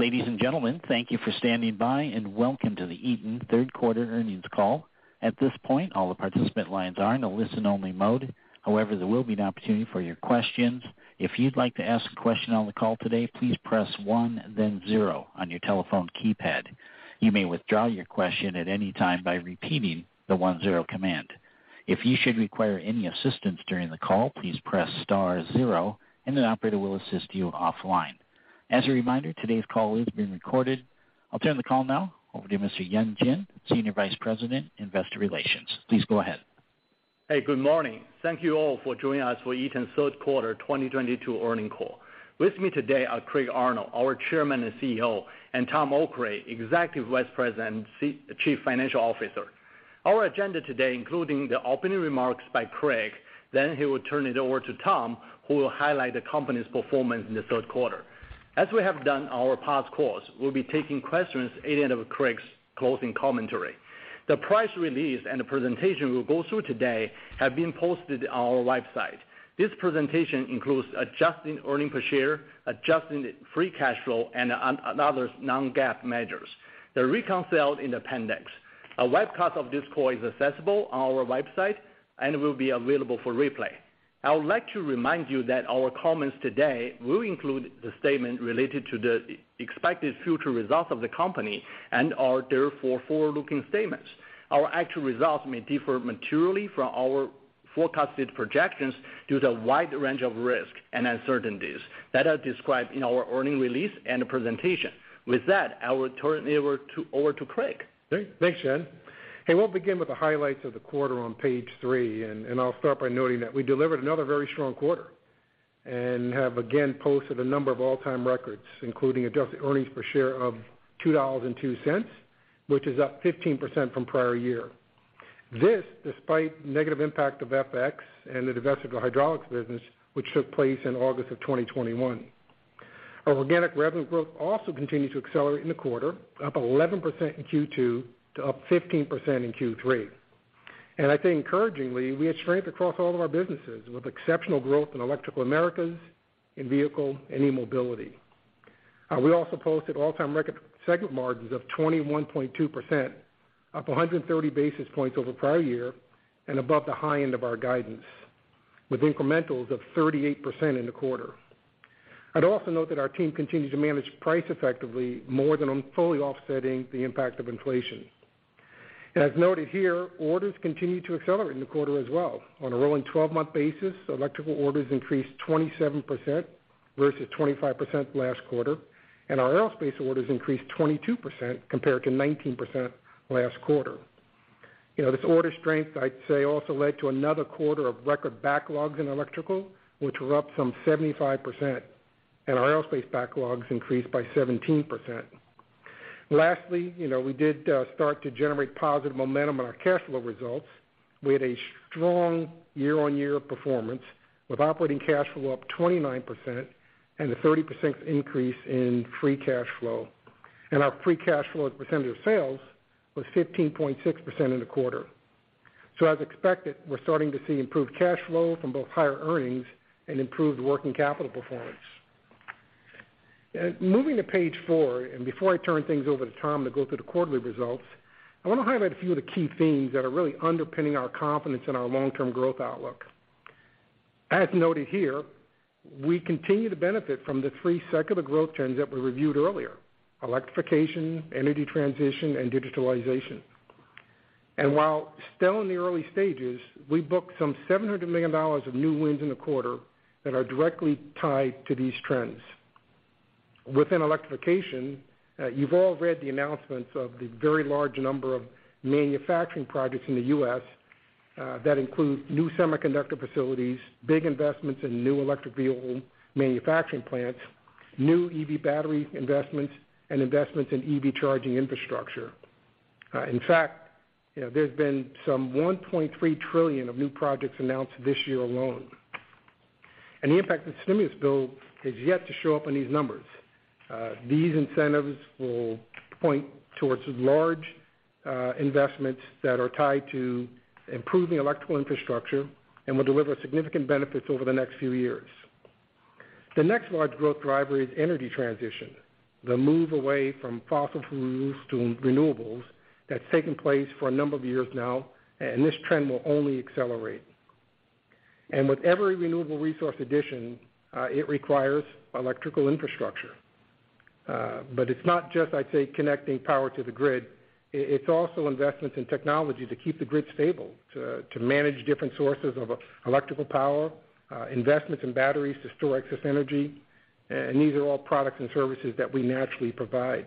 Ladies and gentlemen, thank you for standing by, and welcome to the Eaton third quarter earnings call. At this point, all the participant lines are in a listen-only mode. However, there will be an opportunity for your questions. If you'd like to ask a question on the call today, please press one, then zero on your telephone keypad. You may withdraw your question at any time by repeating the one-zero command. If you should require any assistance during the call, please press star zero and an operator will assist you offline. As a reminder, today's call is being recorded. I'll turn the call now over to Mr. Yan Jin, Senior Vice President, Investor Relations. Please go ahead. Hey, good morning. Thank you all for joining us for Eaton's Third Quarter 2022 Earnings Call. With me today are Craig Arnold, our Chairman and CEO, and Tom Okray, Executive Vice President, Chief Financial Officer. Our agenda today includes the opening remarks by Craig, then he will turn it over to Tom, who will highlight the company's performance in the third quarter. As we have done in our past calls, we'll be taking questions at the end of Craig's closing commentary. The press release and the presentation we'll go through today have been posted on our website. This presentation includes adjusted earnings per share, adjusted free cash flow, and other non-GAAP measures. They're reconciled in appendix. A webcast of this call is accessible on our website and will be available for replay. I would like to remind you that our comments today will include the statement related to the expected future results of the company and are therefore forward-looking statements. Our actual results may differ materially from our forecasted projections due to a wide range of risks and uncertainties that are described in our earnings release and the presentation. With that, I will turn it over to Craig. Thanks, Yan. Hey, we'll begin with the highlights of the quarter on page three, and I'll start by noting that we delivered another very strong quarter and have again posted a number of all-time records, including adjusted earnings per share of $2.02, which is up 15% from prior year. This, despite negative impact of FX and the divestment of the hydraulics business, which took place in August of 2021. Our organic revenue growth also continued to accelerate in the quarter, up 11% in Q2 to up 15% in Q3. I think encouragingly, we had strength across all of our businesses, with exceptional growth in Electrical Americas, in Vehicle, and eMobility. We also posted all-time record segment margins of 21.2%, up 130 basis points over prior year, and above the high end of our guidance, with incrementals of 38% in the quarter. I'd also note that our team continued to manage price effectively, more than fully offsetting the impact of inflation. As noted here, orders continued to accelerate in the quarter as well. On a rolling 12-month basis, electrical orders increased 27% versus 25% last quarter, and our aerospace orders increased 22% compared to 19% last quarter. You know, this order strength, I'd say, also led to another quarter of record backlogs in electrical, which were up some 75%, and our aerospace backlogs increased by 17%. Lastly, you know, we did start to generate positive momentum in our cash flow results. We had a strong year-on-year performance, with operating cash flow up 29% and a 30% increase in free cash flow. Our free cash flow as a percentage of sales was 15.6% in the quarter. As expected, we're starting to see improved cash flow from both higher earnings and improved working capital performance. Moving to page four, and before I turn things over to Tom to go through the quarterly results, I want to highlight a few of the key themes that are really underpinning our confidence in our long-term growth outlook. As noted here, we continue to benefit from the three secular growth trends that we reviewed earlier, electrification, energy transition, and digitalization. While still in the early stages, we booked some $700 million of new wins in the quarter that are directly tied to these trends. Within electrification, you've all read the announcements of the very large number of manufacturing projects in the U.S., that include new semiconductor facilities, big investments in new electric vehicle manufacturing plants, new EV battery investments, and investments in EV charging infrastructure. In fact, you know, there's been some $1.3 trillion of new projects announced this year alone. The impact of the stimulus bill has yet to show up in these numbers. These incentives will point towards large, investments that are tied to improving electrical infrastructure and will deliver significant benefits over the next few years. The next large growth driver is energy transition, the move away from fossil fuels to renewables that's taken place for a number of years now, and this trend will only accelerate. With every renewable resource addition, it requires electrical infrastructure. It's not just, I'd say, connecting power to the grid. It's also investments in technology to keep the grid stable, to manage different sources of electrical power, investments in batteries to store excess energy, and these are all products and services that we naturally provide.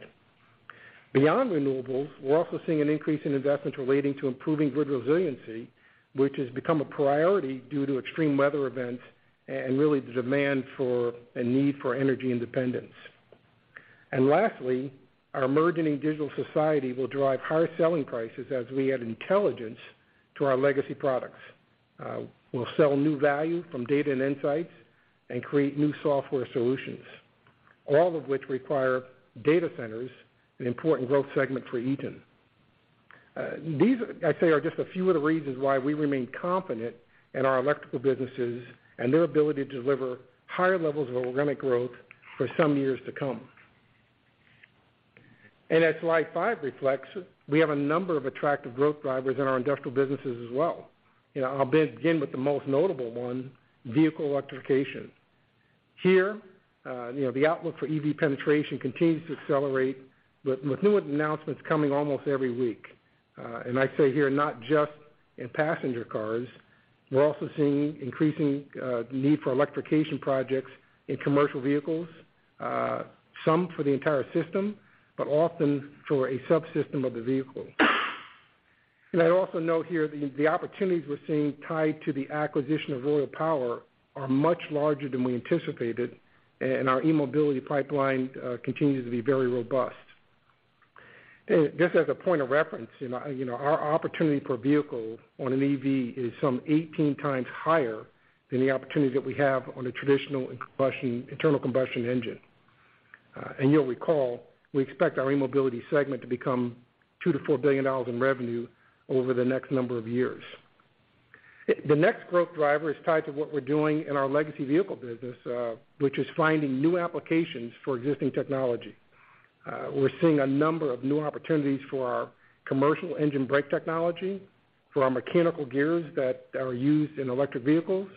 Beyond renewables, we're also seeing an increase in investments relating to improving grid resiliency, which has become a priority due to extreme weather events and really the demand for a need for energy independence. Lastly, our emerging digital society will drive higher selling prices as we add intelligence to our legacy products. We'll sell new value from data and insights and create new software solutions, all of which require data centers, an important growth segment for Eaton. These, I'd say, are just a few of the reasons why we remain confident in our electrical businesses and their ability to deliver higher levels of organic growth for some years to come. As slide five reflects, we have a number of attractive growth drivers in our industrial businesses as well. You know, I'll begin with the most notable one, vehicle electrification. Here, you know, the outlook for EV penetration continues to accelerate with new announcements coming almost every week. And I'd say here, not just in passenger cars, we're also seeing increasing need for electrification projects in commercial vehicles, some for the entire system, but often for a subsystem of the vehicle. I'd also note here, the opportunities we're seeing tied to the acquisition of Royal Power are much larger than we anticipated, and our eMobility pipeline continues to be very robust. Just as a point of reference, you know, our opportunity per vehicle on an EV is some 18 times higher than the opportunity that we have on a traditional internal combustion engine. You'll recall, we expect our eMobility segment to become $2 billion-$4 billion in revenue over the next number of years. The next growth driver is tied to what we're doing in our legacy vehicle business, which is finding new applications for existing technology. We're seeing a number of new opportunities for our commercial engine brake technology, for our mechanical gears that are used in electric vehicles,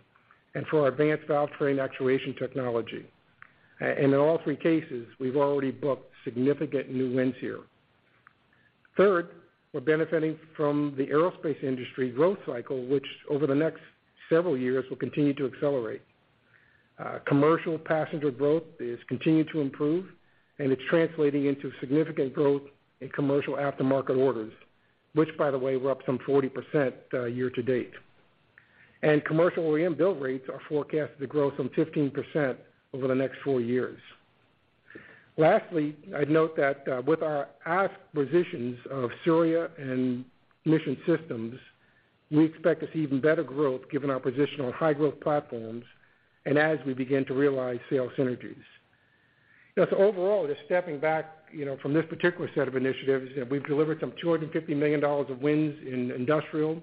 and for our advanced valve train actuation technology. In all three cases, we've already booked significant new wins here. Third, we're benefiting from the aerospace industry growth cycle, which over the next several years, will continue to accelerate. Commercial passenger growth is continuing to improve, and it's translating into significant growth in commercial aftermarket orders, which by the way, were up some 40%, year-to-date. Commercial OEM build rates are forecasted to grow some 15% over the next four years. Lastly, I'd note that, with our acquisitions of Souriau-Sunbank and Cobham Mission Systems, we expect to see even better growth given our position on high-growth platforms and as we begin to realize sales synergies. You know, overall, just stepping back, you know, from this particular set of initiatives, we've delivered some $250 million of wins in industrial.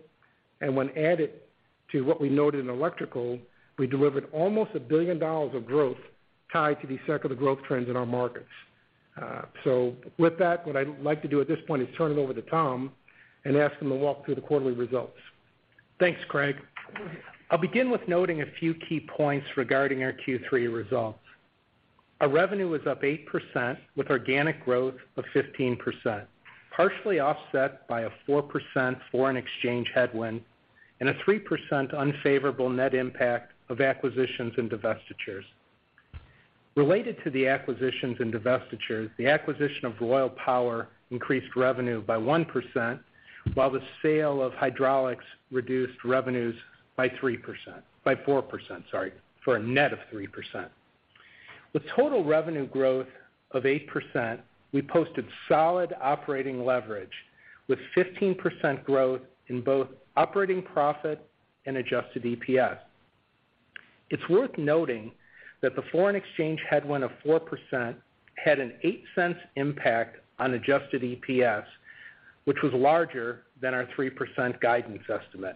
When added to what we noted in electrical, we delivered almost $1 billion of growth tied to the secular growth trends in our markets. With that, what I'd like to do at this point is turn it over to Tom and ask him to walk through the quarterly results. Thanks, Craig. I'll begin with noting a few key points regarding our Q3 results. Our revenue was up 8% with organic growth of 15%, partially offset by a 4% foreign exchange headwind and a 3% unfavorable net impact of acquisitions and divestitures. Related to the acquisitions and divestitures, the acquisition of Royal Power increased revenue by 1%, while the sale of hydraulics reduced revenues by four percent, sorry, for a net of 3%. With total revenue growth of 8%, we posted solid operating leverage with 15% growth in both operating profit and adjusted EPS. It's worth noting that the foreign exchange headwind of 4% had a $0.08 impact on adjusted EPS, which was larger than our 3% guidance estimate.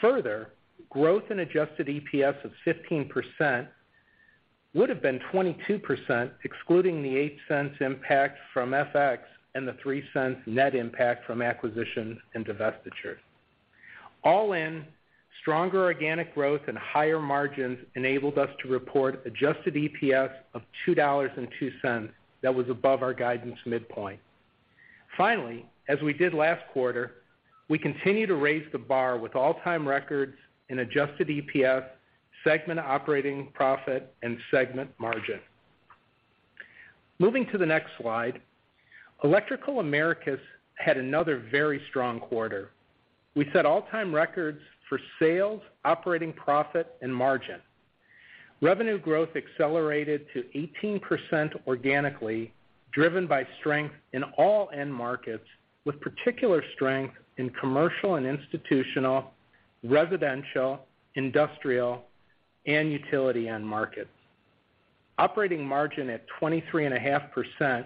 Further, growth in Adjusted EPS of 15% would've been 22%, excluding the $0.08 impact from FX and the $0.03 net impact from acquisitions and divestitures. All in, stronger organic growth and higher margins enabled us to report Adjusted EPS of $2.02 that was above our guidance midpoint. Finally, as we did last quarter, we continue to raise the bar with all-time records in Adjusted EPS, segment operating profit, and segment margin. Moving to the next slide, Electrical Americas had another very strong quarter. We set all-time records for sales, operating profit, and margin. Revenue growth accelerated to 18% organically, driven by strength in all end markets, with particular strength in commercial and institutional, residential, industrial, and utility end markets. Operating margin at 23.5%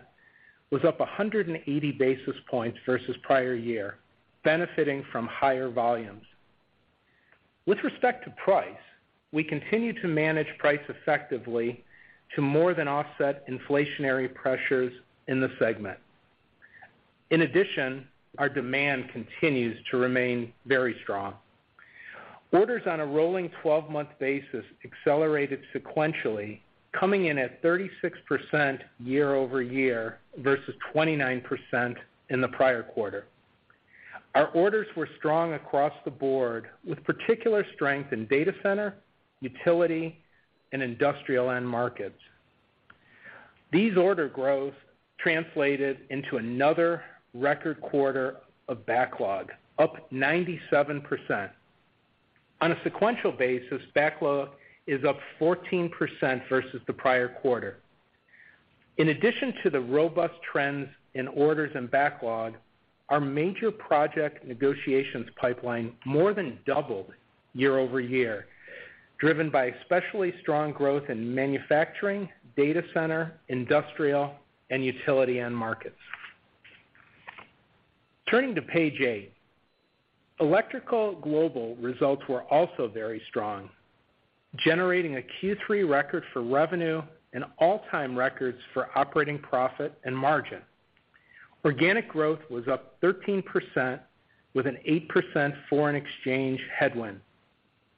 was up 180 basis points versus prior year, benefiting from higher volumes. With respect to price, we continue to manage price effectively to more than offset inflationary pressures in the segment. In addition, our demand continues to remain very strong. Orders on a rolling 12-month basis accelerated sequentially, coming in at 36% year-over-year versus 29% in the prior quarter. Our orders were strong across the board, with particular strength in data center, utility, and industrial end markets. These order growth translated into another record quarter of backlog, up 97%. On a sequential basis, backlog is up 14% versus the prior quarter. In addition to the robust trends in orders and backlog, our major project negotiations pipeline more than doubled year-over-year. Driven by especially strong growth in manufacturing, data center, industrial, and utility end markets. Turning to page eight, Electrical Global results were also very strong, generating a Q3 record for revenue and all-time records for operating profit and margin. Organic growth was up 13% with an 8% foreign exchange headwind.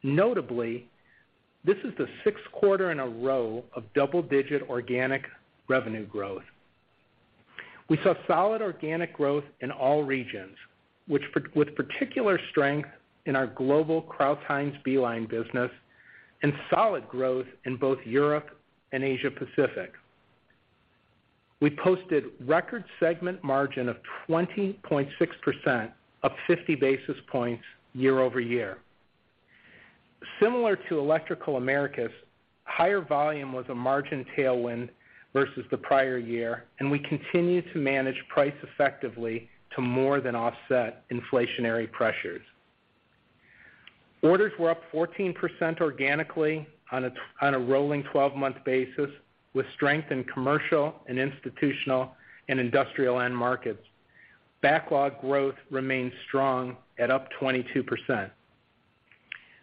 Notably, this is the sixth quarter in a row of double-digit organic revenue growth. We saw solid organic growth in all regions with particular strength in our global Crouse-Hinds and B-Line business and solid growth in both Europe and Asia-Pacific. We posted record segment margin of 20.6%, up 50 basis points year-over-year. Similar to Electrical Americas, higher volume was a margin tailwind versus the prior year, and we continue to manage price effectively to more than offset inflationary pressures. Orders were up 14% organically on a rolling 12-month basis, with strength in commercial and institutional and industrial end markets. Backlog growth remains strong at up 22%.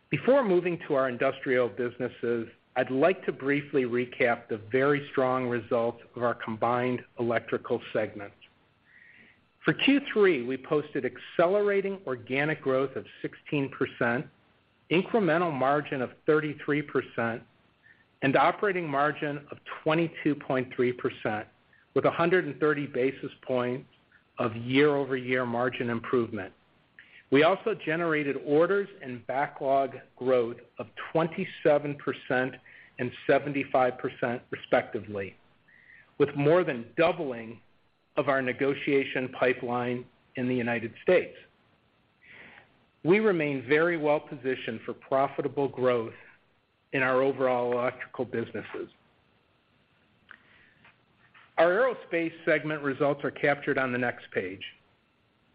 Before moving to our industrial businesses, I'd like to briefly recap the very strong results of our combined electrical segments. For Q3, we posted accelerating organic growth of 16%, incremental margin of 33%, and operating margin of 22.3%, with 130 basis points of year-over-year margin improvement. We also generated orders and backlog growth of 27% and 75% respectively, with more than doubling of our negotiation pipeline in the United States. We remain very well positioned for profitable growth in our overall electrical businesses. Our aerospace segment results are captured on the next page.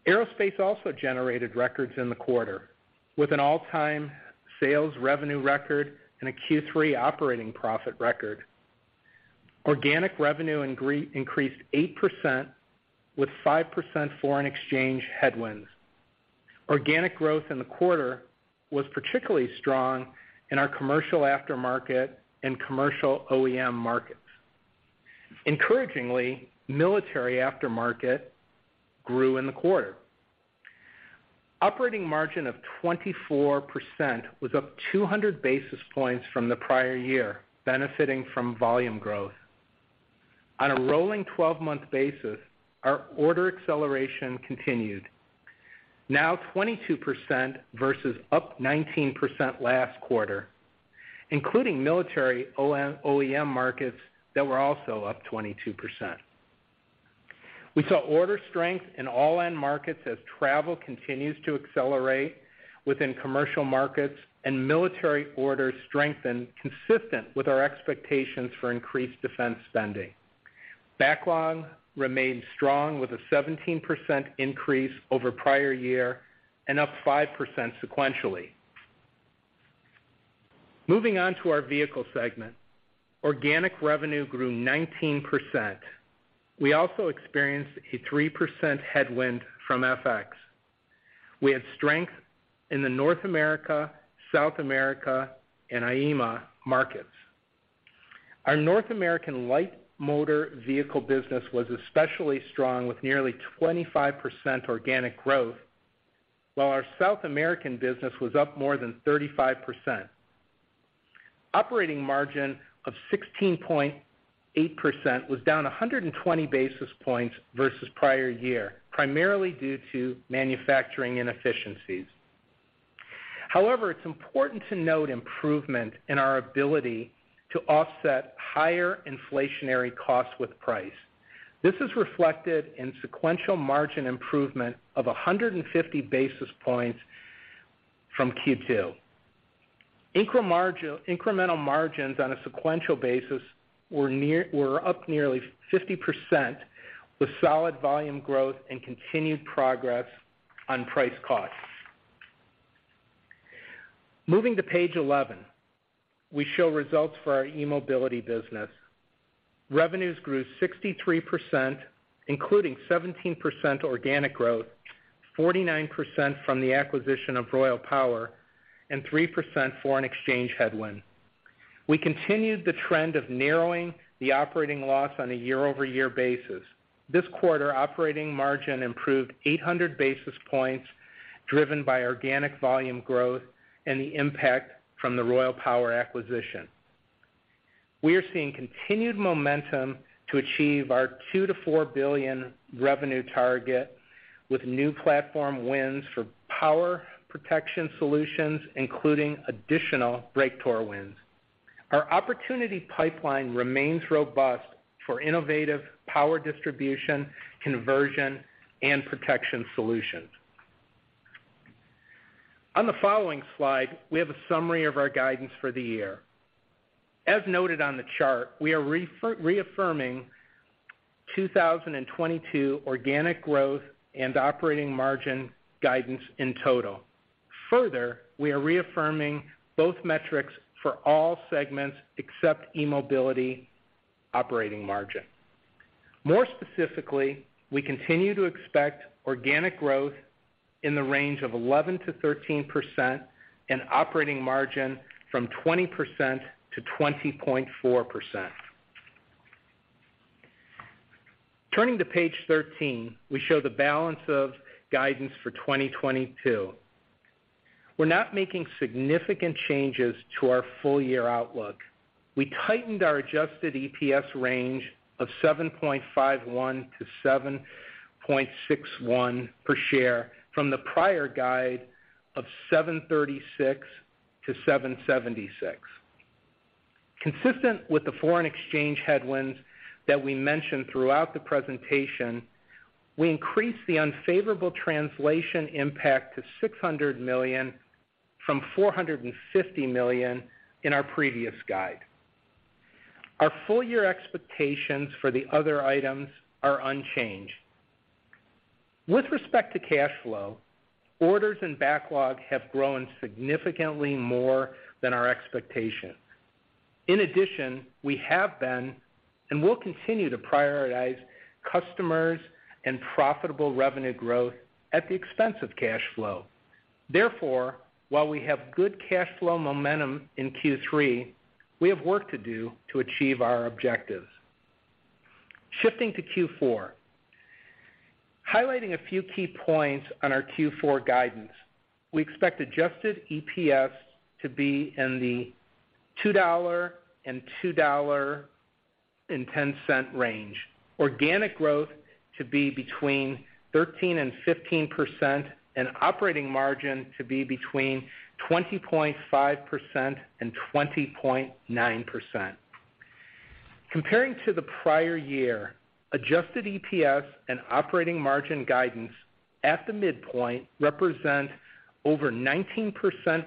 Aerospace also generated records in the quarter with an all-time sales revenue record and a Q3 operating profit record. Organic revenue increased 8% with 5% foreign exchange headwinds. Organic growth in the quarter was particularly strong in our commercial aftermarket and commercial OEM markets. Encouragingly, military aftermarket grew in the quarter. Operating margin of 24% was up 200 basis points from the prior year, benefiting from volume growth. On a rolling 12-month basis, our order acceleration continued, now 22% versus up 19% last quarter, including military OEM markets that were also up 22%. We saw order strength in all end markets as travel continues to accelerate within commercial markets and military orders strengthened consistent with our expectations for increased defense spending. Backlog remained strong with a 17% increase over prior year and up 5% sequentially. Moving on to our vehicle segment. Organic revenue grew 19%. We also experienced a 3% headwind from FX. We had strength in the North America, South America, and EMEA markets. Our North American light motor vehicle business was especially strong with nearly 25% organic growth, while our South American business was up more than 35%. Operating margin of 16.8% was down 120 basis points versus prior year, primarily due to manufacturing inefficiencies. However, it's important to note improvement in our ability to offset higher inflationary costs with price. This is reflected in sequential margin improvement of 150 basis points from Q2. Incremental margins on a sequential basis were up nearly 50% with solid volume growth and continued progress on price costs. Moving to page 11, we show results for our eMobility business. Revenues grew 63%, including 17% organic growth, 49% from the acquisition of Royal Power Solutions, and 3% foreign exchange headwind. We continued the trend of narrowing the operating loss on a year-over-year basis. This quarter, operating margin improved 800 basis points driven by organic volume growth and the impact from the Royal Power Solutions acquisition. We are seeing continued momentum to achieve our $2 billion-$4 billion revenue target with new platform wins for power protection solutions, including additional braking torque wins. Our opportunity pipeline remains robust for innovative power distribution, conversion, and protection solutions. On the following slide, we have a summary of our guidance for the year. As noted on the chart, we are reaffirming 2022 organic growth and operating margin guidance in total. Further, we are reaffirming both metrics for all segments except eMobility operating margin. More specifically, we continue to expect organic growth in the range of 11%-13% and operating margin from 20% to 20.4%. Turning to page 13, we show the balance of guidance for 2022. We're not making significant changes to our full year outlook. We tightened our adjusted EPS range of $7.51-$7.61 per share from the prior guide of $7.36-$7.76. Consistent with the foreign exchange headwinds that we mentioned throughout the presentation, we increased the unfavorable translation impact to $600 million from $450 million in our previous guide. Our full year expectations for the other items are unchanged. With respect to cash flow, orders and backlog have grown significantly more than our expectations. In addition, we have been and will continue to prioritize customers and profitable revenue growth at the expense of cash flow. Therefore, while we have good cash flow momentum in Q3, we have work to do to achieve our objectives. Shifting to Q4. Highlighting a few key points on our Q4 guidance. We expect Adjusted EPS to be in the $2.00-$2.10 range, organic growth to be between 13% and 15% and operating margin to be between 20.5% and 20.9%. Comparing to the prior year, adjusted EPS and operating margin guidance at the midpoint represent over 19%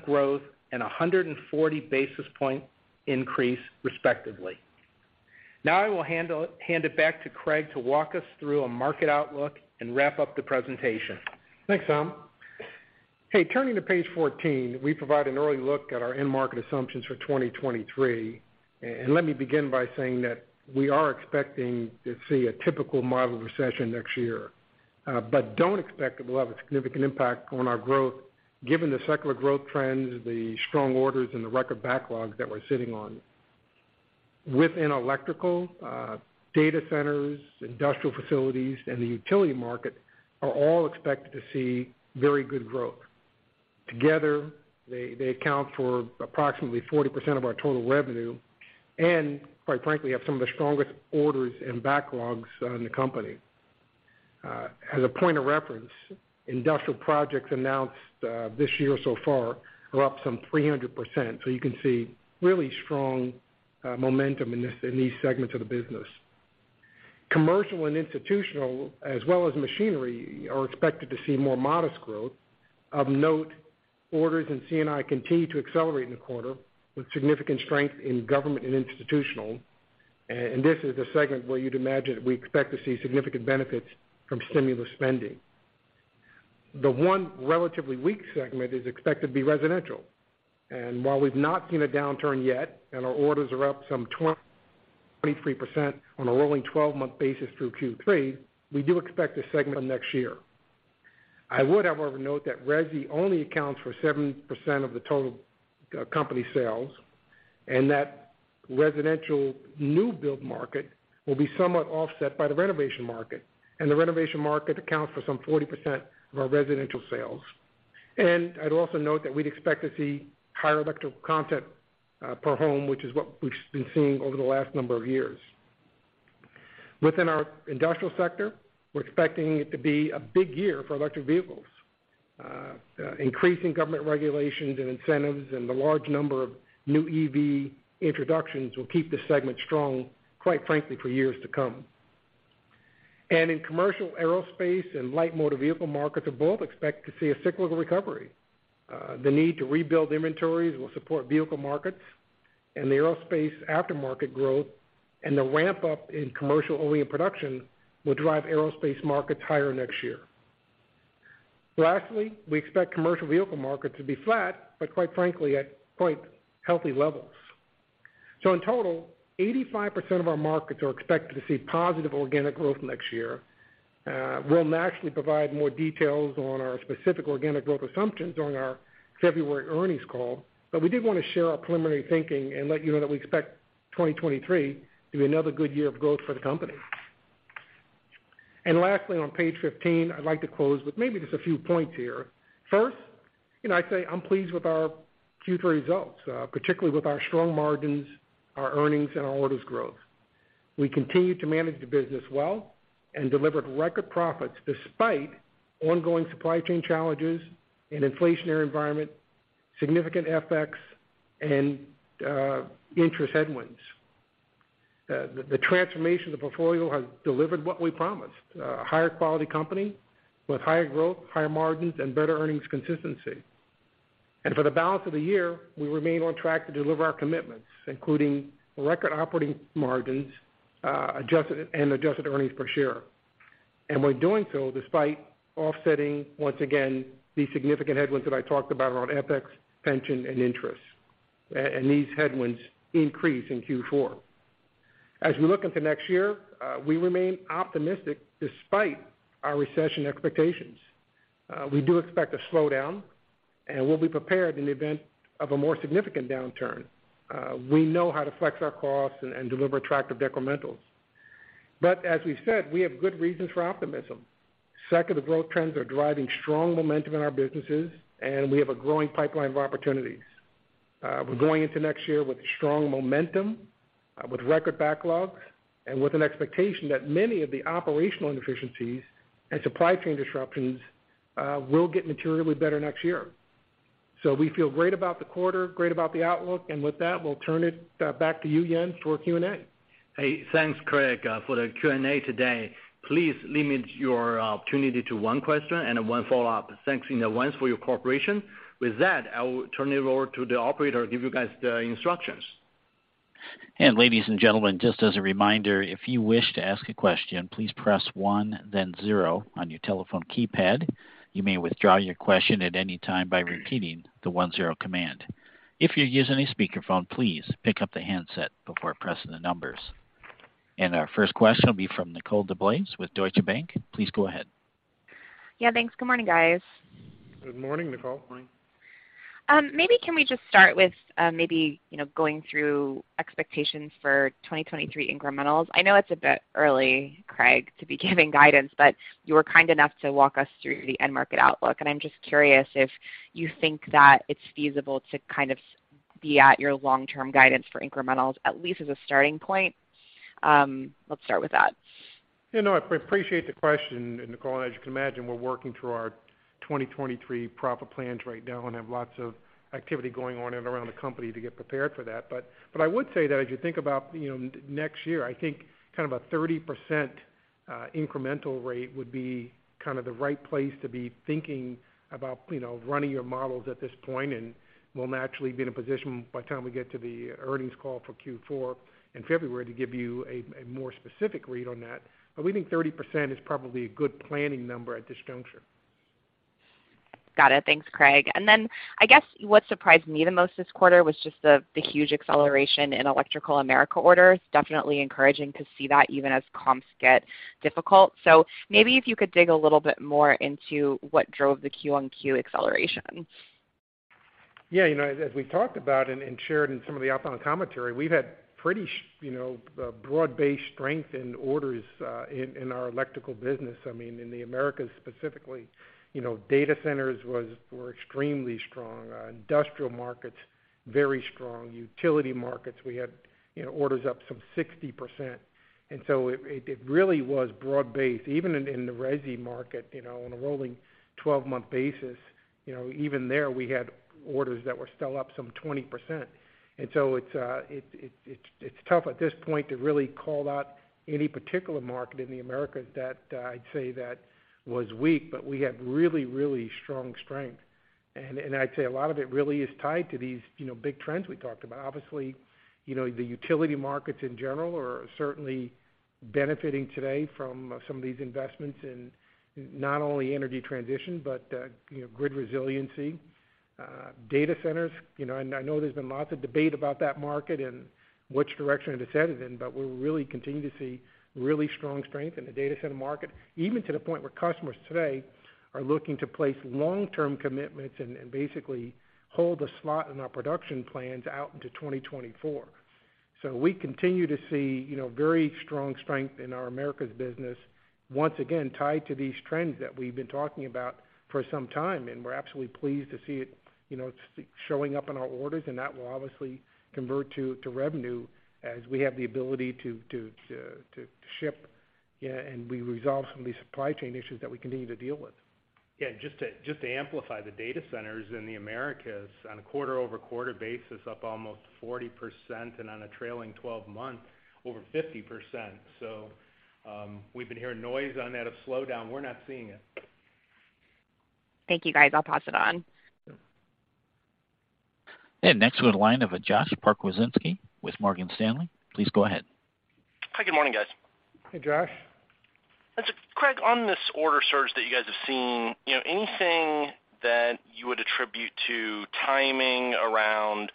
growth and a 140 basis point increase respectively. Now I will hand it back to Craig to walk us through a market outlook and wrap up the presentation. Thanks, Tom. Hey, turning to page 14, we provide an early look at our end market assumptions for 2023. Let me begin by saying that we are expecting to see a typical mild recession next year, but don't expect it will have a significant impact on our growth given the secular growth trends, the strong orders and the record backlog that we're sitting on. Within electrical, data centers, industrial facilities and the utility market are all expected to see very good growth. Together, they account for approximately 40% of our total revenue and quite frankly, have some of the strongest orders and backlogs in the company. As a point of reference, industrial projects announced this year so far are up some 300%, so you can see really strong momentum in this, in these segments of the business. Commercial and institutional, as well as machinery, are expected to see more modest growth. Of note, orders in C&I continue to accelerate in the quarter with significant strength in government and institutional. This is a segment where you'd imagine we expect to see significant benefits from stimulus spending. The one relatively weak segment is expected to be residential. While we've not seen a downturn yet and our orders are up some 23% on a rolling 12-month basis through Q3, we do expect this segment next year. I would, however, note that resi only accounts for 7% of the total company sales and that residential new build market will be somewhat offset by the renovation market. The renovation market accounts for some 40% of our residential sales. I'd also note that we'd expect to see higher electrical content per home, which is what we've been seeing over the last number of years. Within our industrial sector, we're expecting it to be a big year for electric vehicles. Increasing government regulations and incentives and the large number of new EV introductions will keep this segment strong, quite frankly, for years to come. In commercial aerospace and light motor vehicle markets are both expected to see a cyclical recovery. The need to rebuild inventories will support vehicle markets and the aerospace aftermarket growth and the ramp up in commercial OEM production will drive aerospace markets higher next year. Lastly, we expect commercial vehicle markets to be flat, but quite frankly, at quite healthy levels. In total, 85% of our markets are expected to see positive organic growth next year. We'll naturally provide more details on our specific organic growth assumptions during our February earnings call, but we did want to share our preliminary thinking and let you know that we expect 2023 to be another good year of growth for the company. Lastly, on page 15, I'd like to close with maybe just a few points here. First, you know, I'd say I'm pleased with our Q3 results, particularly with our strong margins, our earnings and our orders growth. We continue to manage the business well and delivered record profits despite ongoing supply chain challenges and inflationary environment, significant FX and interest headwinds. The transformation of the portfolio has delivered what we promised, higher quality company with higher growth, higher margins, and better earnings consistency. For the balance of the year, we remain on track to deliver our commitments, including record operating margins, adjusted earnings per share. We're doing so despite offsetting, once again, the significant headwinds that I talked about around FX, pension, and interest. These headwinds increase in Q4. As we look into next year, we remain optimistic despite our recession expectations. We do expect a slowdown, and we'll be prepared in the event of a more significant downturn. We know how to flex our costs and deliver attractive decrementals. As we said, we have good reasons for optimism. Secular growth trends are driving strong momentum in our businesses, and we have a growing pipeline of opportunities. We're going into next year with strong momentum, with record backlogs, and with an expectation that many of the operational inefficiencies and supply chain disruptions will get materially better next year. We feel great about the quarter, great about the outlook. With that, we'll turn it back to you, Yan Jin, for Q&A. Hey, thanks, Craig. For the Q&A today, please limit your opportunity to one question and one follow-up. Thanks in advance for your cooperation. With that, I will turn it over to the operator to give you guys the instructions. Ladies and gentlemen, just as a reminder, if you wish to ask a question, please press one then zero on your telephone keypad. You may withdraw your question at any time by repeating the one zero command. If you're using a speakerphone, please pick up the handset before pressing the numbers. Our first question will be from Nicole DeBlase with Deutsche Bank. Please go ahead. Yeah, thanks. Good morning, guys. Good morning, Nicole. Good morning. Maybe can we just start with you know, going through expectations for 2023 incrementals. I know it's a bit early, Craig, to be giving guidance, but you were kind enough to walk us through the end market outlook. I'm just curious if you think that it's feasible to kind of be at your long-term guidance for incrementals, at least as a starting point. Let's start with that. You know, I appreciate the question, Nicole. As you can imagine, we're working through our 2023 proper plans right now and have lots of activity going on in and around the company to get prepared for that. I would say that as you think about, you know, next year, I think kind of a 30% incremental margin would be kind of the right place to be thinking about, you know, running your models at this point. We'll naturally be in a position by the time we get to the earnings call for Q4 in February to give you a more specific read on that. We think 30% is probably a good planning number at this juncture. Got it. Thanks, Craig. I guess what surprised me the most this quarter was just the huge acceleration in Electrical Americas orders. Definitely encouraging to see that even as comps get difficult. Maybe if you could dig a little bit more into what drove the Q-on-Q acceleration. Yeah. You know, as we talked about and shared in some of the outbound commentary, we've had pretty, you know, broad-based strength in orders in our electrical business. I mean, in the Americas specifically, you know, data centers were extremely strong. Industrial markets, very strong. Utility markets, we had, you know, orders up some 60%. It really was broad-based. Even in the resi market, you know, on a rolling 12-month basis, you know, even there, we had orders that were still up some 20%. It's tough at this point to really call out any particular market in the Americas that I'd say that was weak, but we had really, really strong strength. I'd say a lot of it really is tied to these, you know, big trends we talked about. Obviously, you know, the utility markets in general are certainly benefiting today from some of these investments in not only energy transition, but, you know, grid resiliency. Data centers, you know, and I know there's been lots of debate about that market and which direction it is headed in, but we're really continuing to see really strong strength in the data center market, even to the point where customers today are looking to place long-term commitments and basically hold a slot in our production plans out into 2024. We continue to see, you know, very strong strength in our Americas business, once again, tied to these trends that we've been talking about for some time. We're absolutely pleased to see it, you know, showing up in our orders, and that will obviously convert to revenue as we have the ability to ship, yeah, and we resolve some of these supply chain issues that we continue to deal with. Yeah. Just to amplify the data centers in the Americas on a quarter-over-quarter basis up almost 40% and on a trailing 12 month, over 50%. We've been hearing noise on that of slowdown. We're not seeing it. Thank you, guys. I'll pass it on. Next we have line of Josh Pokrzywinski with Morgan Stanley. Please go ahead. Hi. Good morning, guys. Hey, Josh. Craig, on this order surge that you guys have seen, you know, anything that you would attribute to timing around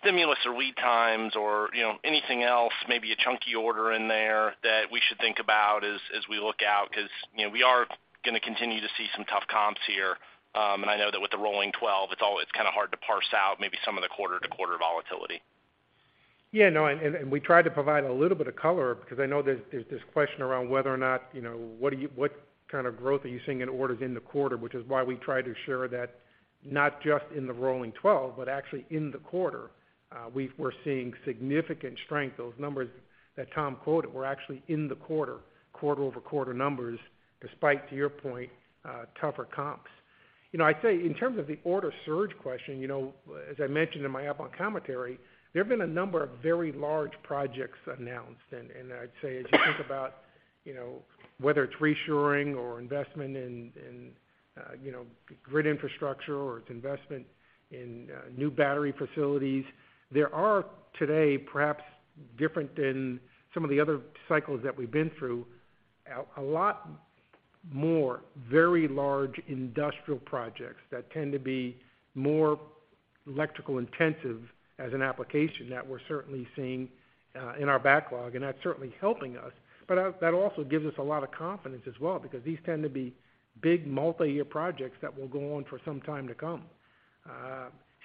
stimulus or lead times or, you know, anything else, maybe a chunky order in there that we should think about as we look out? 'Cause, you know, we are gonna continue to see some tough comps here. I know that with the rolling 12, it's kind of hard to parse out maybe some of the quarter-to-quarter volatility. Yeah, no. We tried to provide a little bit of color because I know there's this question around whether or not, you know, what kind of growth are you seeing in orders in the quarter, which is why we try to share that not just in the rolling 12, but actually in the quarter. We're seeing significant strength. Those numbers that Tom quoted were actually in the quarter-over-quarter numbers, despite, to your point, tougher comps. You know, I'd say in terms of the order surge question, you know, as I mentioned in my opening commentary, there have been a number of very large projects announced. I'd say as you think about, you know, whether it's reshoring or investment in in you know, grid infrastructure or it's investment in new battery facilities, there are today, perhaps different than some of the other cycles that we've been through, a lot more very large industrial projects that tend to be more electrical intensive as an application that we're certainly seeing in our backlog, and that's certainly helping us. That also gives us a lot of confidence as well, because these tend to be big multiyear projects that will go on for some time to come.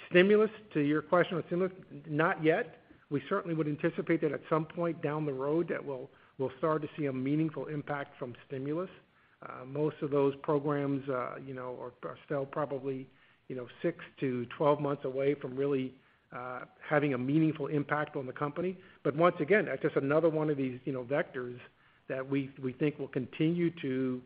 Stimulus, to your question on stimulus, not yet. We certainly would anticipate that at some point down the road that we'll start to see a meaningful impact from stimulus. Most of those programs, you know, are still probably, you know, six to 12 months away from really having a meaningful impact on the company. Once again, that's just another one of these, you know, vectors that we think will continue to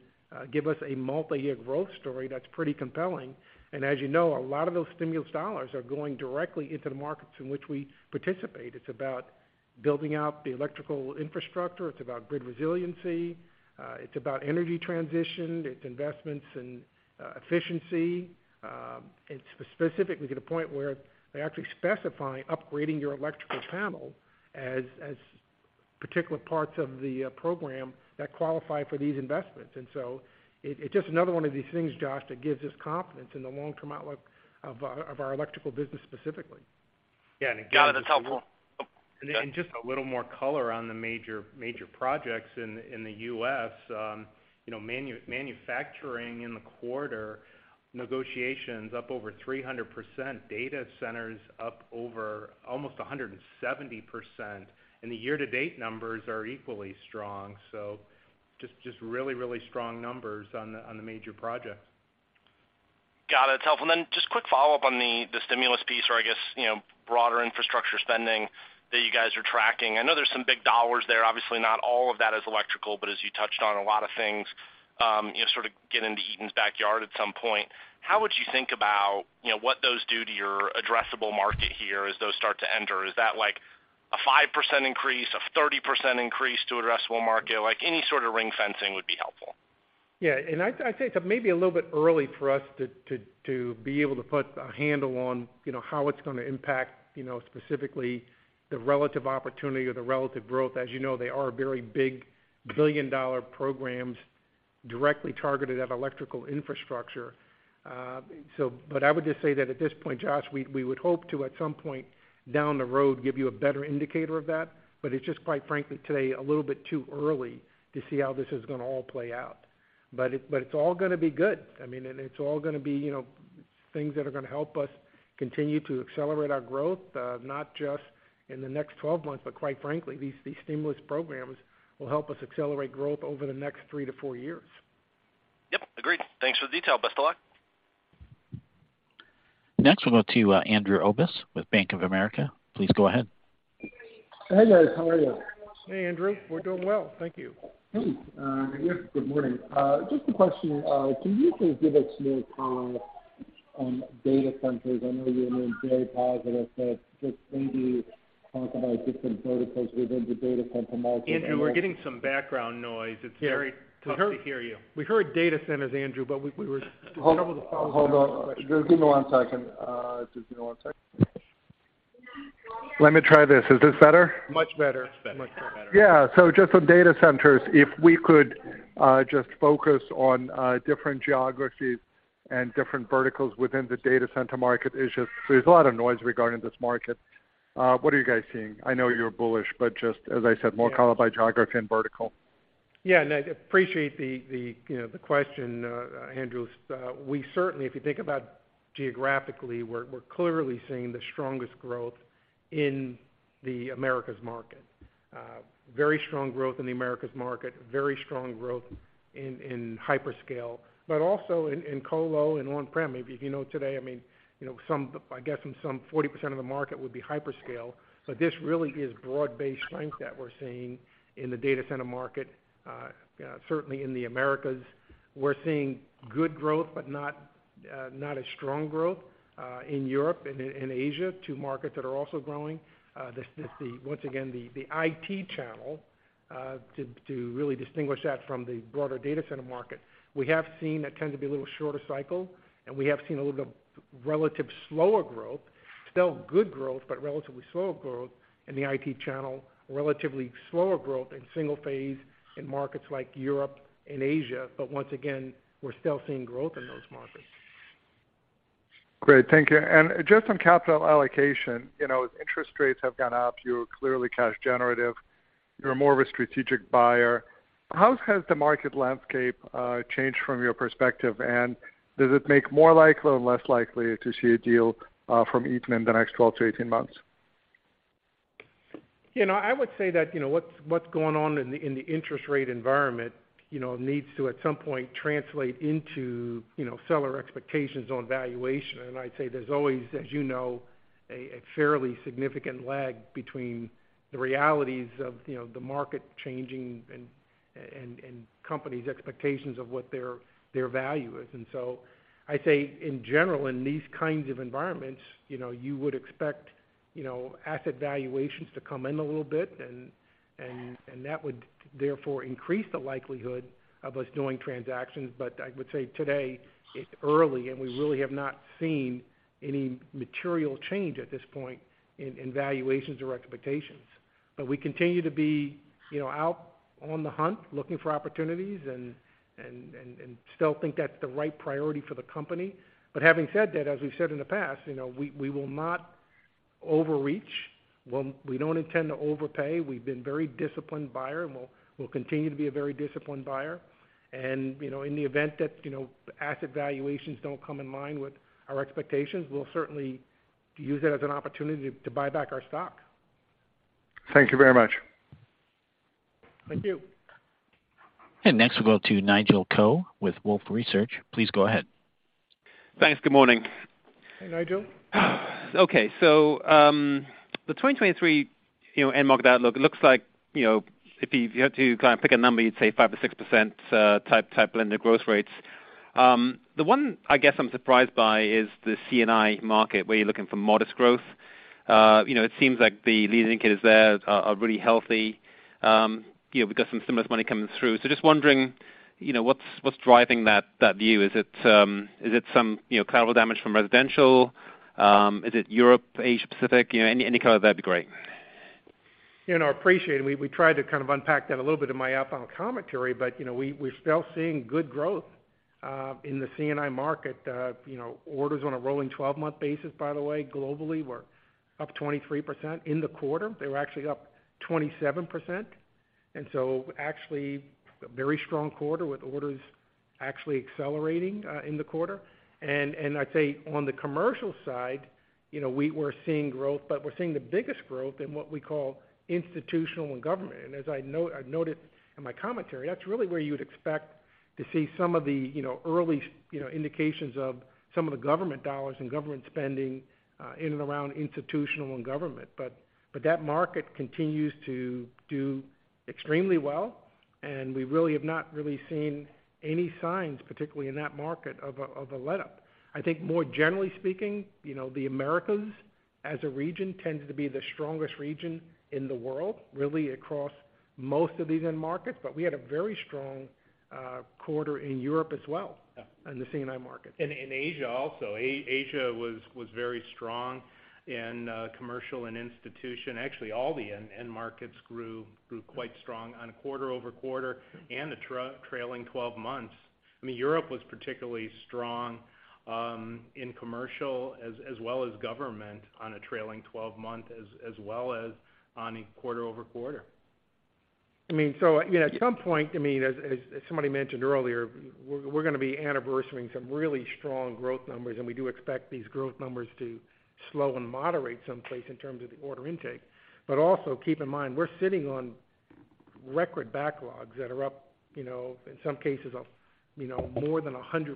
give us a multiyear growth story that's pretty compelling. As you know, a lot of those stimulus dollars are going directly into the markets in which we participate. It's about building out the electrical infrastructure. It's about grid resiliency. It's about energy transition. It's investments in efficiency. It's specifically to the point where they actually specify upgrading your electrical panel as particular parts of the program that qualify for these investments. It's just another one of these things, Josh, that gives us confidence in the long-term outlook of our electrical business specifically. Yeah. Got it. That's helpful. Just a little more color on the major projects in the US. You know, manufacturing in the quarter, negotiations up over 300%. Data centers up over almost 170%. The year-to-date numbers are equally strong. Just really strong numbers on the major projects. Got it. That's helpful. Then just quick follow-up on the stimulus piece or I guess, you know, broader infrastructure spending that you guys are tracking. I know there's some big dollars there. Obviously, not all of that is electrical, but as you touched on a lot of things, you know, sort of get into Eaton's backyard at some point. How would you think about, you know, what those do to your addressable market here as those start to enter? Is that like a 5% increase, a 30% increase to addressable market? Like, any sort of ring fencing would be helpful. I'd say it's maybe a little bit early for us to be able to put a handle on, you know, how it's gonna impact, you know, specifically the relative opportunity or the relative growth. As you know, they are very big billion-dollar programs directly targeted at electrical infrastructure. So but I would just say that at this point, Josh, we would hope to, at some point down the road, give you a better indicator of that. But it's just, quite frankly, today a little bit too early to see how this is gonna all play out. But it's all gonna be good. I mean, it's all gonna be, you know, things that are gonna help us continue to accelerate our growth, not just in the next 12 months, but quite frankly, these stimulus programs will help us accelerate growth over the next three to four years. Yep. Agreed. Thanks for the detail. Best of luck. Next, we'll go to Andrew Obin with Bank of America. Please go ahead. Hey, guys. How are you? Hey, Andrew. We're doing well. Thank you. Great. Yeah. Good morning. Just a question. Can you please give us your thoughts on data centers? I know you've been very positive, but just maybe talk about different verticals within the data center market. Andrew, we're getting some background noise. It's very tough to hear you. We heard data centers, Andrew, but we were. Hold on. Give me one second. Just give me one second. Let me try this. Is this better? Much better. Much better. Yeah. Just on data centers, if we could, just focus on different geographies and different verticals within the data center market. It's just, there's a lot of noise regarding this market. What are you guys seeing? I know you're bullish, but just as I said, more color by geography and vertical. I appreciate the question, you know, Andrew. We certainly, if you think about geographically, we're clearly seeing the strongest growth in the Americas market. Very strong growth in the Americas market, very strong growth in hyperscale, but also in colo and on-prem. If you know today, I mean, you know, I guess some 40% of the market would be hyperscale, but this really is broad-based strength that we're seeing in the data center market, you know, certainly in the Americas. We're seeing good growth but not as strong growth in Europe and in Asia, two markets that are also growing. This is, once again, the IT channel to really distinguish that from the broader data center market. We have seen it tend to be a little shorter cycle, and we have seen a little bit relatively slower growth. Still good growth, but relatively slower growth in the IT channel, relatively slower growth in single phase in markets like Europe and Asia. Once again, we're still seeing growth in those markets. Great. Thank you. Just on capital allocation, you know, as interest rates have gone up, you're clearly cash generative. You're more of a strategic buyer. How has the market landscape changed from your perspective? Does it make more likely or less likely to see a deal from Eaton in the next 12-18 months? You know, I would say that, you know, what's going on in the interest rate environment, you know, needs to at some point translate into, you know, seller expectations on valuation. I'd say there's always, as you know, a fairly significant lag between the realities of, you know, the market changing and companies' expectations of what their value is. I'd say in general, in these kinds of environments, you know, you would expect you know, asset valuations to come in a little bit and that would therefore increase the likelihood of us doing transactions. I would say today, it's early, and we really have not seen any material change at this point in valuations or expectations. We continue to be, you know, out on the hunt looking for opportunities and still think that's the right priority for the company. Having said that, as we've said in the past, you know, we will not overreach. We don't intend to overpay. We've been very disciplined buyer, and we'll continue to be a very disciplined buyer. You know, in the event that, you know, asset valuations don't come in line with our expectations, we'll certainly use that as an opportunity to buy back our stock. Thank you very much. Thank you. Next we'll go to Nigel Coe with Wolfe Research. Please go ahead. Thanks. Good morning. Hey, Nigel. The 2023, you know, end market outlook, it looks like, you know, if you had to kind of pick a number, you'd say 5%-6% type blended growth rates. The one I guess I'm surprised by is the C&I market, where you're looking for modest growth. You know, it seems like the leading indicators there are really healthy. You know, we've got some stimulus money coming through. Just wondering, you know, what's driving that view? Is it some, you know, collateral damage from residential? Is it Europe, Asia Pacific? You know, any color there would be great. You know, appreciate it. We tried to kind of unpack that a little bit in my opening commentary, but, you know, we're still seeing good growth in the C&I market. You know, orders on a rolling 12 month basis, by the way, globally were up 23%. In the quarter, they were actually up 27%. Actually a very strong quarter with orders actually accelerating in the quarter. I'd say on the commercial side, you know, we're seeing growth, but we're seeing the biggest growth in what we call institutional and government. As I noted in my commentary, that's really where you would expect to see some of the, you know, early, you know, indications of some of the government dollars and government spending in and around institutional and government. That market continues to do extremely well, and we really have not seen any signs, particularly in that market, of a letup. I think more generally speaking, you know, the Americas as a region tends to be the strongest region in the world, really across most of these end markets. We had a very strong quarter in Europe as well in the C&I market. In Asia also. Asia was very strong in commercial and institutional. Actually, all the end markets grew quite strong on a quarter-over-quarter and the trailing 12 months. I mean, Europe was particularly strong in commercial as well as government on a trailing 12 months as well as on a quarter-over-quarter. I mean, so, you know, at some point, I mean, as somebody mentioned earlier, we're gonna be anniversaring some really strong growth numbers, and we do expect these growth numbers to slow and moderate someplace in terms of the order intake. But also keep in mind, we're sitting on record backlogs that are up, you know, in some cases of, you know, more than 100%.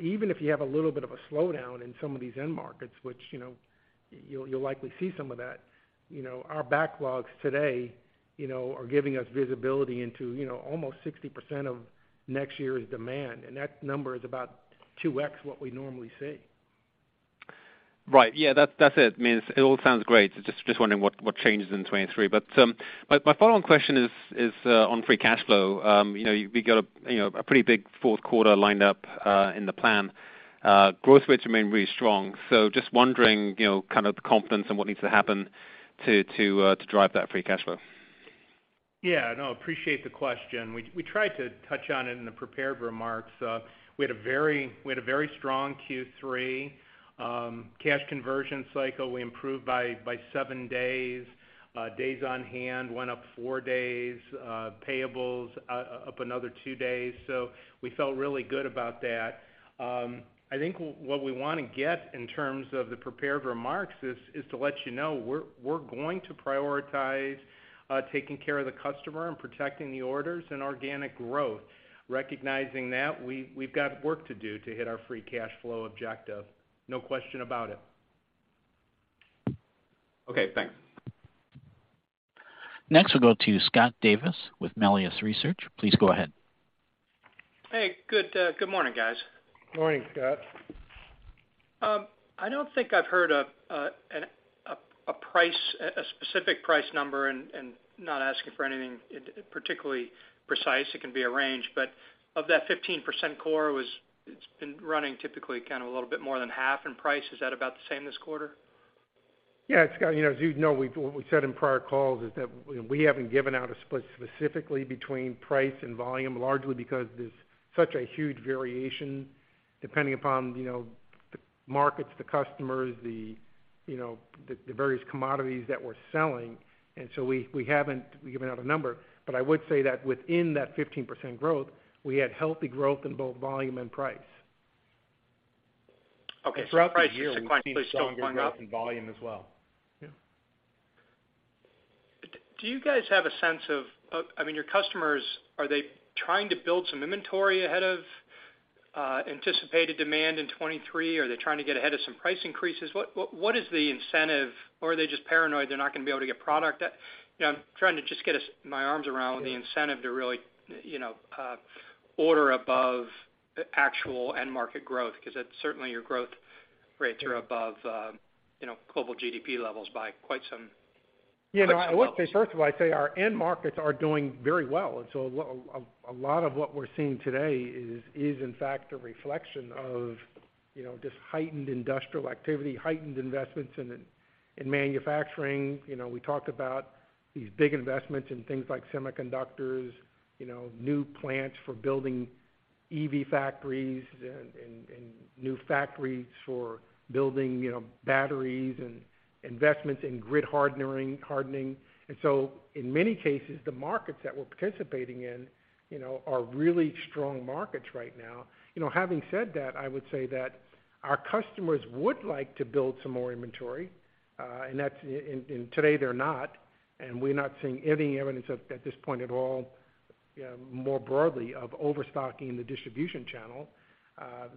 Even if you have a little bit of a slowdown in some of these end markets, which, you know, you'll likely see some of that, you know, our backlogs today, you know, are giving us visibility into, you know, almost 60% of next year's demand. That number is about 2x what we normally see. Right. Yeah. That's it. I mean, it all sounds great. Just wondering what changes in 2023. My follow-on question is on free cash flow. You know, we got a pretty big fourth quarter lined up in the plan. You know, growth rates remain really strong. Just wondering, you know, kind of the confidence on what needs to happen to drive that free cash flow. Yeah. No, appreciate the question. We tried to touch on it in the prepared remarks. We had a very strong Q3. Cash conversion cycle, we improved by seven days. Days on hand went up four days, payables up another two days. So we felt really good about that. I think what we wanna get in terms of the prepared remarks is to let you know we're going to prioritize taking care of the customer and protecting the orders and organic growth. Recognizing that, we've got work to do to hit our free cash flow objective, no question about it. Okay, thanks. Next, we'll go to Scott Davis with Melius Research. Please go ahead. Hey. Good morning, guys. Morning, Scott. I don't think I've heard a specific price number and not asking for anything particularly precise, it can be a range. Of that 15% core it's been running typically kind of a little bit more than half in price. Is that about the same this quarter? Yeah. Scott, you know, as you'd know, what we said in prior calls is that we haven't given out a split specifically between price and volume, largely because there's such a huge variation depending upon, you know, the markets, the customers, you know, the various commodities that we're selling. We haven't given out a number. I would say that within that 15% growth, we had healthy growth in both volume and price. Okay. Price sequentially is still going up? Throughout the year, we've seen strong growth in volume as well. Yeah. Do you guys have a sense of. I mean, your customers, are they trying to build some inventory ahead of anticipated demand in 2023? Are they trying to get ahead of some price increases? What is the incentive? Or are they just paranoid they're not gonna be able to get product? You know, I'm trying to just get my arms around the incentive to really, you know, order above the actual end market growth, cause it's certainly your growth rates are above, you know, global GDP levels by quite some- Yeah. No, I would say, first of all, I'd say our end markets are doing very well, and so a lot of what we're seeing today is in fact a reflection of, you know, just heightened industrial activity, heightened investments in manufacturing. You know, we talked about these big investments in things like semiconductors, you know, new plants for building EV factories and new factories for building, you know, batteries and investments in grid hardening. In many cases, the markets that we're participating in, you know, are really strong markets right now. You know, having said that, I would say that our customers would like to build some more inventory, and today they're not, and we're not seeing any evidence at this point at all, more broadly of overstocking the distribution channel.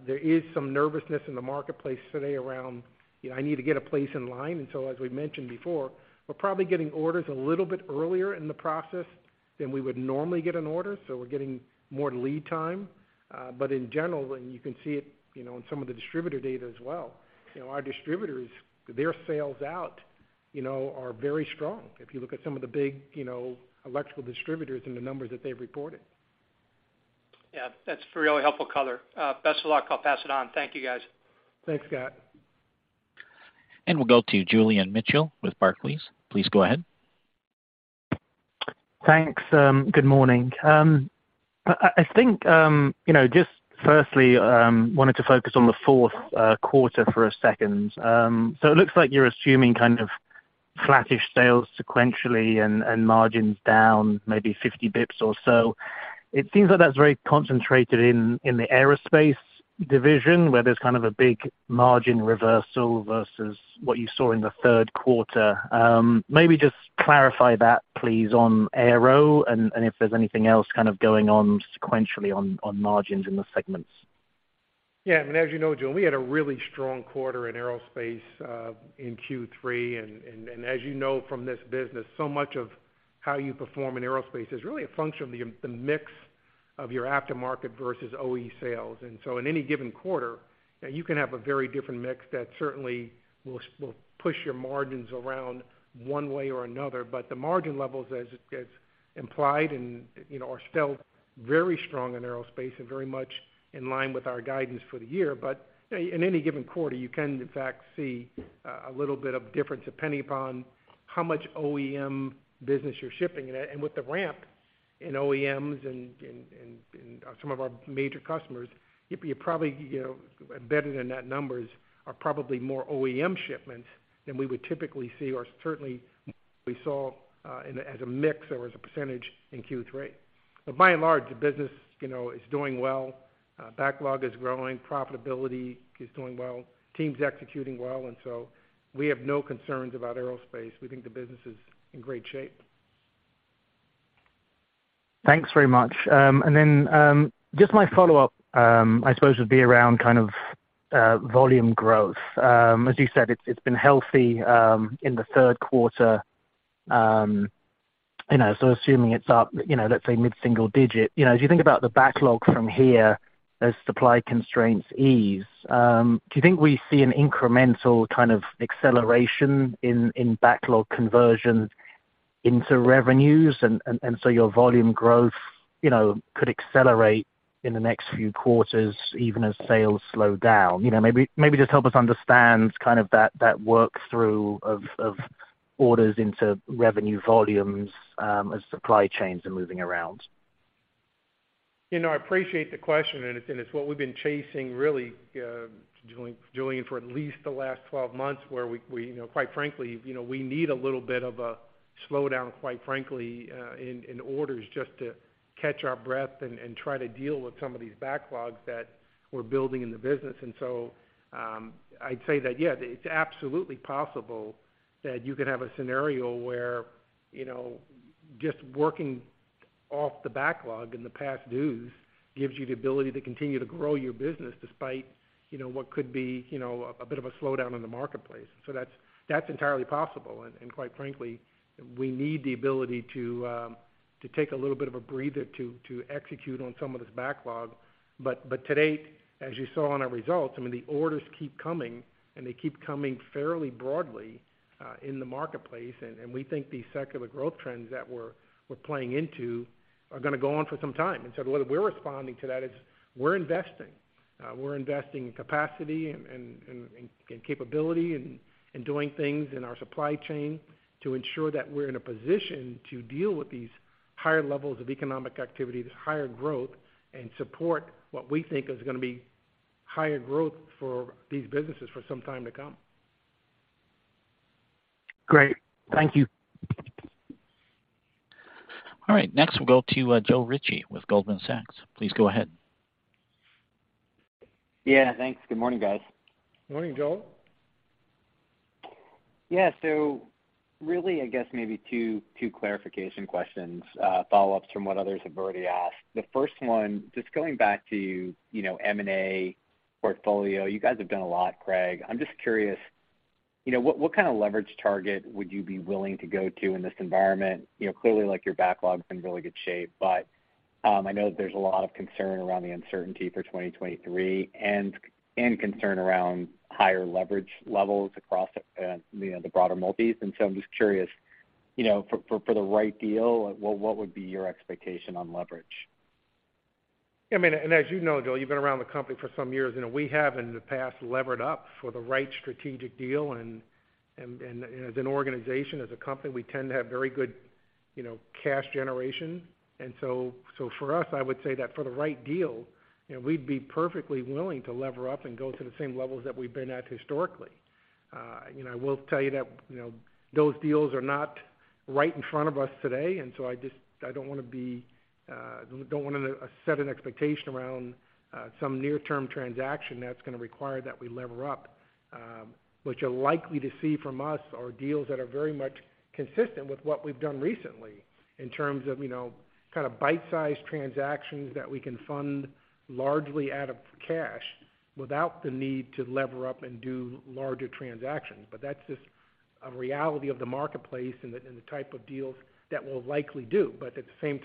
There is some nervousness in the marketplace today around, you know, I need to get a place in line. As we've mentioned before, we're probably getting orders a little bit earlier in the process than we would normally get an order, so we're getting more lead time. In general, you can see it, you know, in some of the distributor data as well, you know, our distributors, their sales out, you know, are very strong. If you look at some of the big, you know, electrical distributors and the numbers that they've reported. Yeah. That's really helpful color. Best of luck. I'll pass it on. Thank you, guys. Thanks, Scott. We'll go to Julian Mitchell with Barclays. Please go ahead. Thanks. Good morning. I think you know, just firstly, wanted to focus on the fourth quarter for a second. It looks like you're assuming kind of flattish sales sequentially and margins down maybe 50 basis points or so. It seems like that's very concentrated in the aerospace division, where there's kind of a big margin reversal versus what you saw in the third quarter. Maybe just clarify that please on aerospace and if there's anything else kind of going on sequentially on margins in the segments. Yeah. I mean, as you know, Julian, we had a really strong quarter in Aerospace in Q3. As you know, from this business, so much of how you perform in aerospace is really a function of the mix of your aftermarket versus OE sales. In any given quarter, you can have a very different mix that certainly will push your margins around one way or another. The margin levels as implied and, you know, are still very strong in aerospace and very much in line with our guidance for the year. You know, in any given quarter, you can in fact see a little bit of difference depending upon how much OEM business you're shipping. With the ramp in OEMs and some of our major customers, you probably, you know, embedded in that numbers are probably more OEM shipments than we would typically see or certainly we saw as a mix or as a percentage in Q3. By and large, the business, you know, is doing well. Backlog is growing. Profitability is doing well. Team's executing well, and so we have no concerns about aerospace. We think the business is in great shape. Thanks very much. Then, just my follow-up, I suppose would be around kind of volume growth. As you said, it's been healthy in the third quarter. You know, so assuming it's up, you know, let's say mid-single digit. You know, as you think about the backlog from here as supply constraints ease, do you think we see an incremental kind of acceleration in backlog conversion into revenues? And so your volume growth, you know, could accelerate in the next few quarters, even as sales slow down. You know, maybe just help us understand kind of that work through of orders into revenue volumes as supply chains are moving around. You know, I appreciate the question and it's what we've been chasing really, Julian, for at least the last 12 months, where we, you know, quite frankly, you know, we need a little bit of a slowdown, quite frankly, in orders just to catch our breath and try to deal with some of these backlogs that we're building in the business. I'd say that, yeah, it's absolutely possible that you could have a scenario where, you know, just working off the backlog and the past dues gives you the ability to continue to grow your business despite, you know, what could be, you know, a bit of a slowdown in the marketplace. That's entirely possible. Quite frankly, we need the ability to take a little bit of a breather to execute on some of this backlog. To date, as you saw in our results, I mean, the orders keep coming, and they keep coming fairly broadly in the marketplace. We think these secular growth trends that we're playing into are gonna go on for some time. The way we're responding to that is we're investing. We're investing in capacity and capability and doing things in our supply chain to ensure that we're in a position to deal with these higher levels of economic activity, this higher growth, and support what we think is gonna be higher growth for these businesses for some time to come. Great. Thank you. All right. Next, we'll go to Joe Ritchie with Goldman Sachs. Please go ahead. Yeah. Thanks. Good morning, guys. Morning, Joe. Yeah. Really, I guess maybe two clarification questions, follow-ups from what others have already asked. The first one, just going back to, you know, M&A portfolio. You guys have done a lot, Craig. I'm just curious. You know, what kind of leverage target would you be willing to go to in this environment? You know, clearly, like, your backlog's in really good shape, but I know that there's a lot of concern around the uncertainty for 2023, and concern around higher leverage levels across, you know, the broader multis. I'm just curious, you know, for the right deal, what would be your expectation on leverage? I mean, as you know, Joe, you've been around the company for some years, you know, we have in the past levered up for the right strategic deal. As an organization, as a company, we tend to have very good, you know, cash generation. For us, I would say that for the right deal, you know, we'd be perfectly willing to lever up and go to the same levels that we've been at historically. You know, I will tell you that, you know, those deals are not right in front of us today, and I just I don't want to set an expectation around some near-term transaction that's gonna require that we lever up. What you're likely to see from us are deals that are very much consistent with what we've done recently in terms of, you know, kind of bite-sized transactions that we can fund largely out of cash without the need to lever up and do larger transactions. That's just a reality of the marketplace and the type of deals that we'll likely do. At the same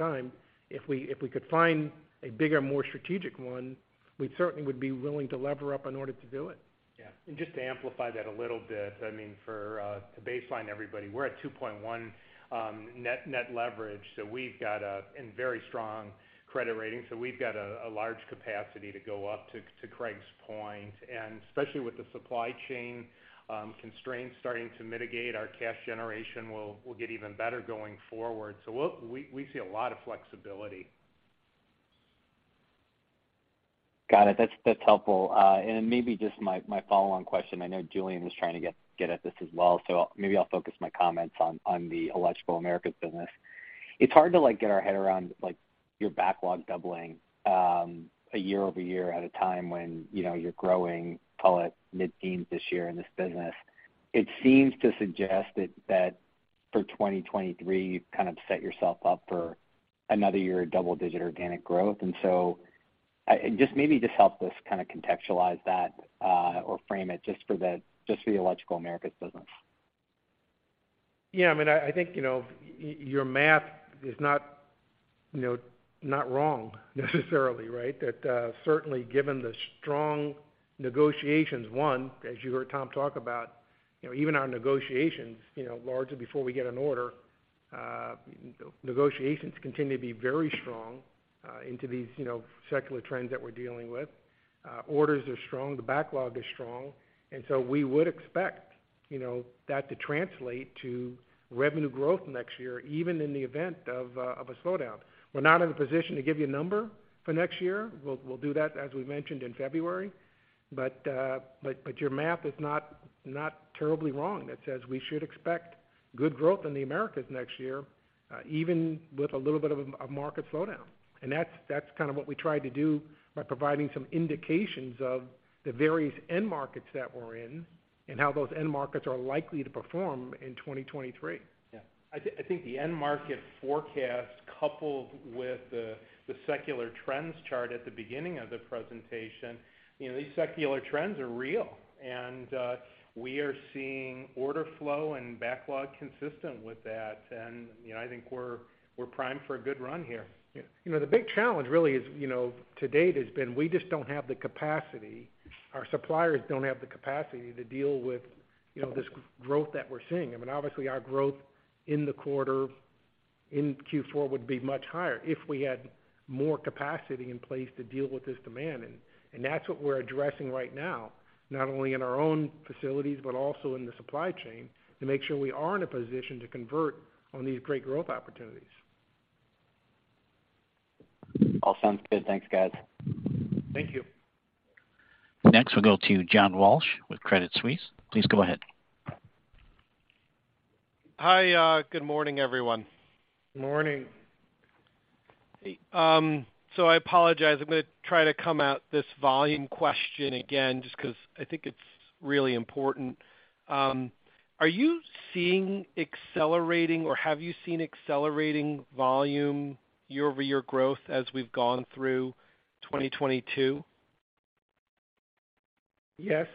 time, if we could find a bigger, more strategic one, we certainly would be willing to lever up in order to do it. Yeah. Just to amplify that a little bit, I mean, to baseline everybody, we're at 2.1 net leverage, so we've got a very strong credit rating, so we've got a large capacity to go up, to Craig's point. Especially with the supply chain constraints starting to mitigate, our cash generation will get even better going forward. We'll see a lot of flexibility. Got it. That's helpful. Maybe just my follow-on question, I know Julian was trying to get at this as well, so maybe I'll focus my comments on the Electrical Americas business. It's hard to, like, get our head around, like, your backlog doubling year-over-year at a time when, you know, you're growing call it mid-teens this year in this business. It seems to suggest that for 2023, you've kind of set yourself up for another year of double-digit organic growth. Just maybe just help us kind of contextualize that, or frame it just for the Electrical Americas business. Yeah. I mean, I think, you know, your math is not, you know, not wrong necessarily, right? That certainly given the strong negotiations won, as you heard Tom talk about, you know, even our negotiations, you know, largely before we get an order, negotiations continue to be very strong into these, you know, secular trends that we're dealing with. Orders are strong. The backlog is strong. We would expect, you know, that to translate to revenue growth next year, even in the event of a slowdown. We're not in a position to give you a number for next year. We'll do that, as we mentioned, in February. Your math is not terribly wrong that says we should expect good growth in the Americas next year, even with a little bit of a market slowdown. That's kind of what we tried to do by providing some indications of the various end markets that we're in and how those end markets are likely to perform in 2023. Yeah. I think the end market forecast coupled with the secular trends chart at the beginning of the presentation, you know, these secular trends are real. We are seeing order flow and backlog consistent with that. You know, I think we're primed for a good run here. Yeah. You know, the big challenge really is, you know, to date has been we just don't have the capacity, our suppliers don't have the capacity to deal with, you know, this growth that we're seeing. I mean, obviously, our growth in the quarter, in Q4 would be much higher if we had more capacity in place to deal with this demand. That's what we're addressing right now, not only in our own facilities, but also in the supply chain to make sure we are in a position to convert on these great growth opportunities. All sounds good. Thanks, guys. Thank you. Next, we'll go to John Walsh with Credit Suisse. Please go ahead. Hi. Good morning, everyone. Morning. Hey, I apologize. I'm gonna try to come at this volume question again just 'cause I think it's really important. Are you seeing accelerating or have you seen accelerating volume year-over-year growth as we've gone through 2022? Yes.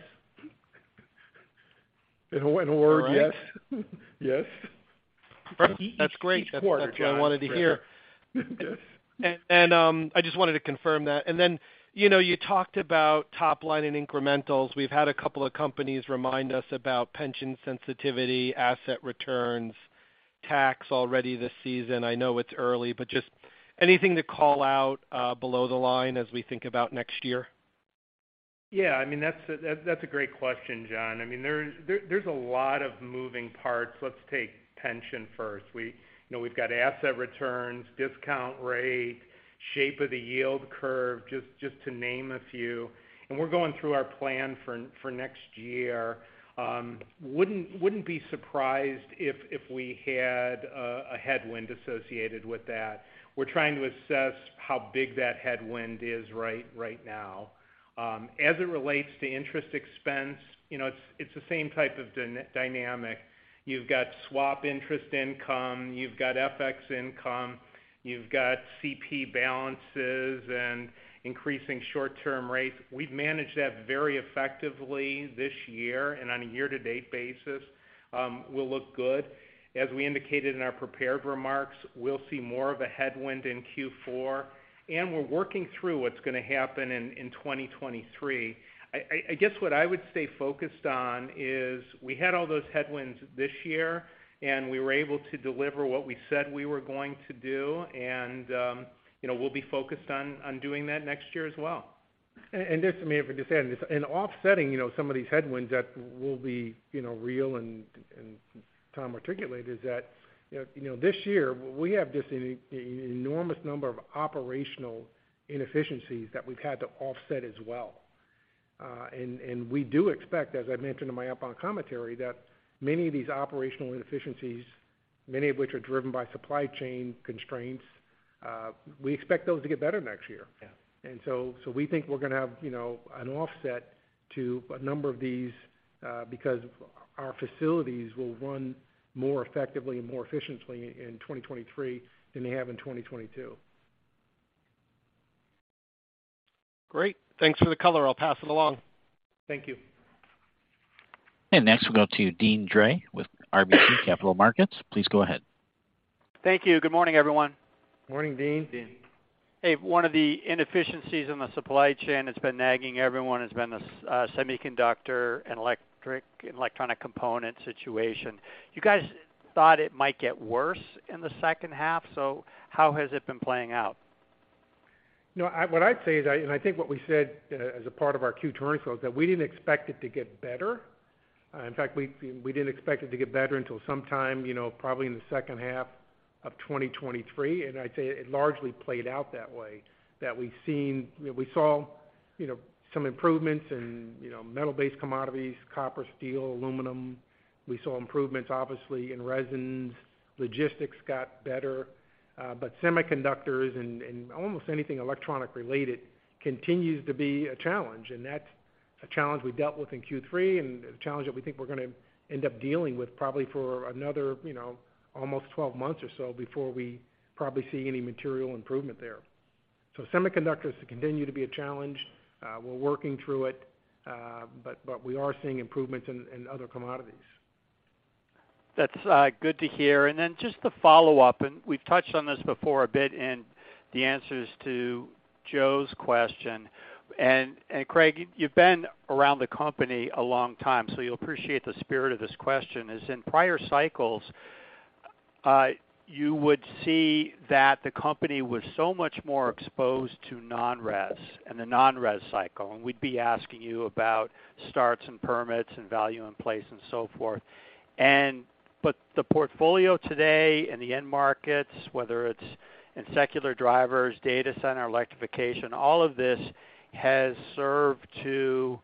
In one word, yes. All right. Yes. Perfect. That's great. Each quarter, John. That's what I wanted to hear. Yes. I just wanted to confirm that. Then, you know, you talked about top line and incrementals. We've had a couple of companies remind us about pension sensitivity, asset returns, tax already this season. I know it's early, but just anything to call out, below the line as we think about next year? Yeah. I mean, that's a great question, John. I mean, there's a lot of moving parts. Let's take pension first. You know, we've got asset returns, discount rate, shape of the yield curve, just to name a few. We're going through our plan for next year. Wouldn't be surprised if we had a headwind associated with that. We're trying to assess how big that headwind is right now. As it relates to interest expense, you know, it's the same type of dynamic. You've got swap interest income, you've got FX income, you've got CP balances and increasing short-term rates. We've managed that very effectively this year and on a year to date basis, will look good. As we indicated in our prepared remarks, we'll see more of a headwind in Q4, and we're working through what's gonna happen in 2023. I guess what I would stay focused on is we had all those headwinds this year, and we were able to deliver what we said we were going to do. You know, we'll be focused on doing that next year as well. Just to maybe just add this, in offsetting, you know, some of these headwinds that will be, you know, real and Tom articulated is that, you know, this year we have just an enormous number of operational inefficiencies that we've had to offset as well. We do expect, as I mentioned in my opening commentary, that many of these operational inefficiencies, many of which are driven by supply chain constraints, we expect those to get better next year. Yeah. We think we're gonna have, you know, an offset to a number of these because our facilities will run more effectively and more efficiently in 2023 than they have in 2022. Great. Thanks for the color. I'll pass it along. Thank you. Next we'll go to Deane Dray with RBC Capital Markets. Please go ahead. Thank you. Good morning, everyone. Morning, Deane. Deane. Hey, one of the inefficiencies in the supply chain that's been nagging everyone has been the semiconductor and electronic component situation. You guys thought it might get worse in the second half, so how has it been playing out? No, what I'd say is I think what we said, as a part of our Q2 earnings call, is that we didn't expect it to get better. In fact, we didn't expect it to get better until sometime, you know, probably in the second half of 2023, and I'd say it largely played out that way. That we've seen. You know, we saw, you know, some improvements in, you know, metal-based commodities, copper, steel, aluminum. We saw improvements, obviously, in resins. Logistics got better. But semiconductors and almost anything electronic related continues to be a challenge. That's a challenge we dealt with in Q3 and a challenge that we think we're gonna end up dealing with probably for another, you know, almost 12 months or so before we probably see any material improvement there. Semiconductors continue to be a challenge. We're working through it. We are seeing improvements in other commodities. That's good to hear. Then just to follow up, and we've touched on this before a bit in the answers to Joe's question. Craig, you've been around the company a long time, so you'll appreciate the spirit of this question is, in prior cycles, you would see that the company was so much more exposed to non-res and the non-res cycle, and we'd be asking you about starts and permits and value in place and so forth. But the portfolio today and the end markets, whether it's in secular drivers, data center, electrification, all of this has served to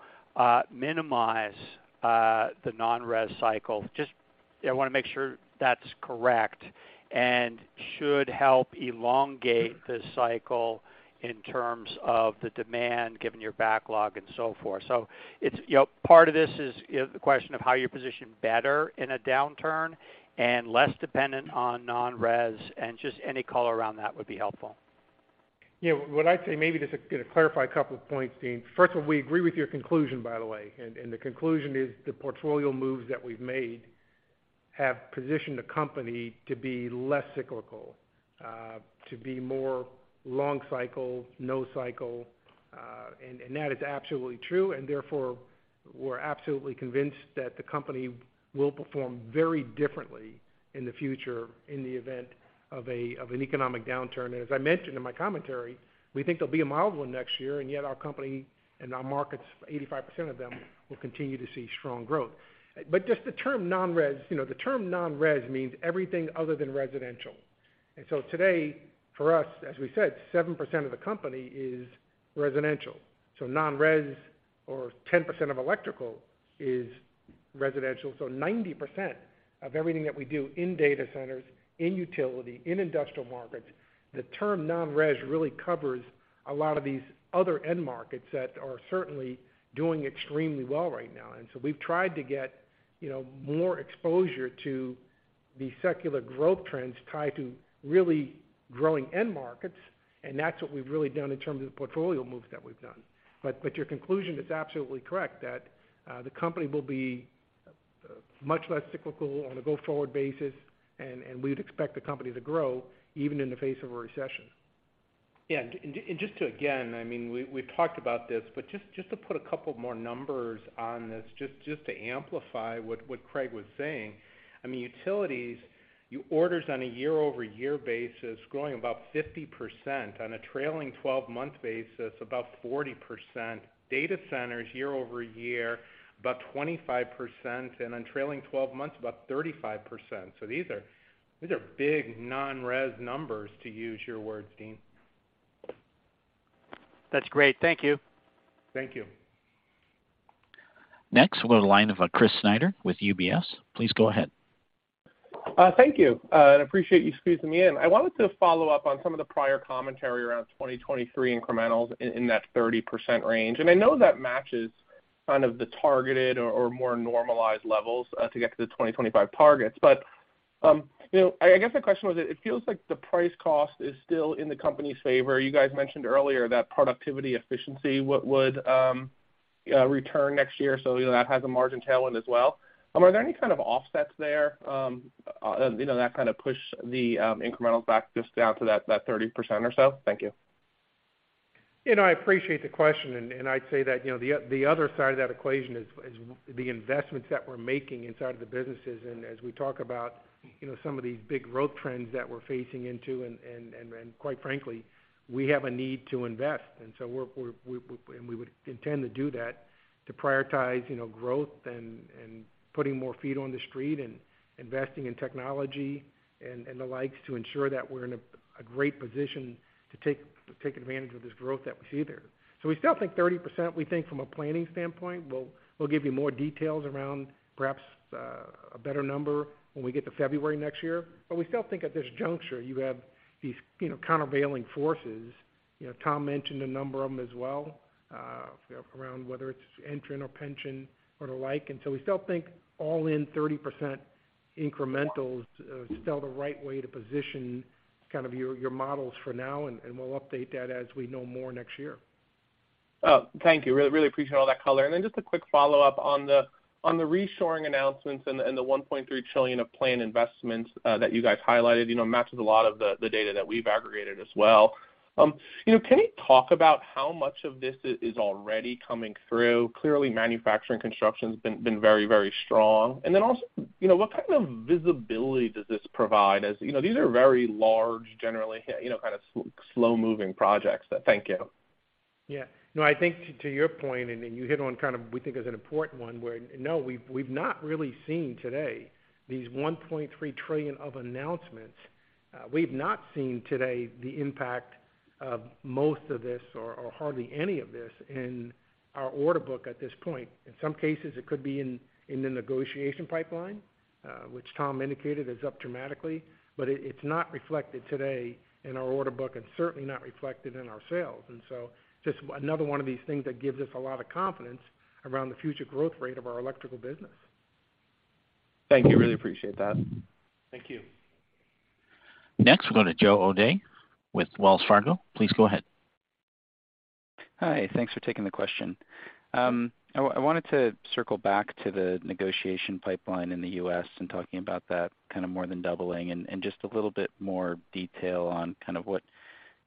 minimize the non-res cycle. Just, I wanna make sure that's correct, and should help elongate the cycle in terms of the demand given your backlog and so forth. It's, you know, part of this is the question of how you position better in a downturn and less dependent on non-res, and just any color around that would be helpful. Yeah. What I'd say, maybe just to clarify a couple of points, Deane. First of all, we agree with your conclusion, by the way. The conclusion is the portfolio moves that we've made have positioned the company to be less cyclical, to be more long cycle, no cycle, and that is absolutely true, and therefore we're absolutely convinced that the company will perform very differently in the future in the event of an economic downturn. As I mentioned in my commentary, we think there'll be a mild one next year, and yet our company and our markets, 85% of them will continue to see strong growth. Just the term non-res, you know, the term non-res means everything other than residential. Today, for us, as we said, 7% of the company is residential. Non-res or 10% of electrical is residential. 90% of everything that we do in data centers, in utility, in industrial markets, the term non-res really covers a lot of these other end markets that are certainly doing extremely well right now. We've tried to get, you know, more exposure to the secular growth trends tied to really growing end markets, and that's what we've really done in terms of the portfolio moves that we've done. Your conclusion is absolutely correct that the company will be much less cyclical on a go-forward basis, and we'd expect the company to grow even in the face of a recession. Yeah. Just to, again, I mean, we've talked about this, but just to put a couple more numbers on this, just to amplify what Craig was saying. I mean, utilities, your orders on a year-over-year basis growing about 50% on a trailing 12-month basis, about 40%. Data centers year-over-year, about 25%, and on trailing 12 months, about 35%. These are big non-res numbers, to use your words, Deane. That's great. Thank you. Thank you. Next, we'll go to the line of Chris Snyder with UBS. Please go ahead. Thank you, and appreciate you squeezing me in. I wanted to follow up on some of the prior commentary around 2023 incrementals in that 30% range. I know that matches kind of the targeted or more normalized levels to get to the 2025 targets. You know, I guess my question was it feels like the price cost is still in the company's favor. You guys mentioned earlier that productivity efficiency would return next year, so you know, that has a margin tailwind as well. Are there any kind of offsets there, you know, that kind of push the incrementals back just down to that 30% or so? Thank you. You know, I appreciate the question, and I'd say that, you know, the other side of that equation is the investments that we're making inside of the businesses. As we talk about, you know, some of these big growth trends that we're facing into, and quite frankly, we have a need to invest. We would intend to do that to prioritize, you know, growth and putting more feet on the street and investing in technology and the likes to ensure that we're in a great position to take advantage of this growth that we see there. We still think 30%, we think from a planning standpoint. We'll give you more details around perhaps a better number when we get to February next year. We still think at this juncture, you have these, you know, countervailing forces. You know, Tom mentioned a number of them as well around whether it's interest or pension or the like. We still think all-in 30% incrementals is still the right way to position kind of your models for now, and we'll update that as we know more next year. Oh, thank you. Really, really appreciate all that color. Then just a quick follow-up on the reshoring announcements and the $1.3 trillion of planned investments that you guys highlighted, you know, matches a lot of the data that we've aggregated as well. You know, can you talk about how much of this is already coming through? Clearly, manufacturing construction's been very, very strong. Then also, you know, what kind of visibility does this provide? As you know, these are very large, generally, you know, kind of slow-moving projects. Thank you. Yeah. No, I think to your point, and then you hit on kind of what we think is an important one, where we've not really seen today these $1.3 trillion of announcements. We've not seen today the impact of most of this or hardly any of this in our order book at this point. In some cases, it could be in the negotiation pipeline, which Tom indicated is up dramatically. But it's not reflected today in our order book and certainly not reflected in our sales. Just another one of these things that gives us a lot of confidence around the future growth rate of our electrical business. Thank you. Really appreciate that. Thank you. Next, we'll go to Joseph O'Dea with Wells Fargo. Please go ahead. Hi. Thanks for taking the question. I wanted to circle back to the negotiation pipeline in the U.S. and talking about that kind of more than doubling and just a little bit more detail on kind of what,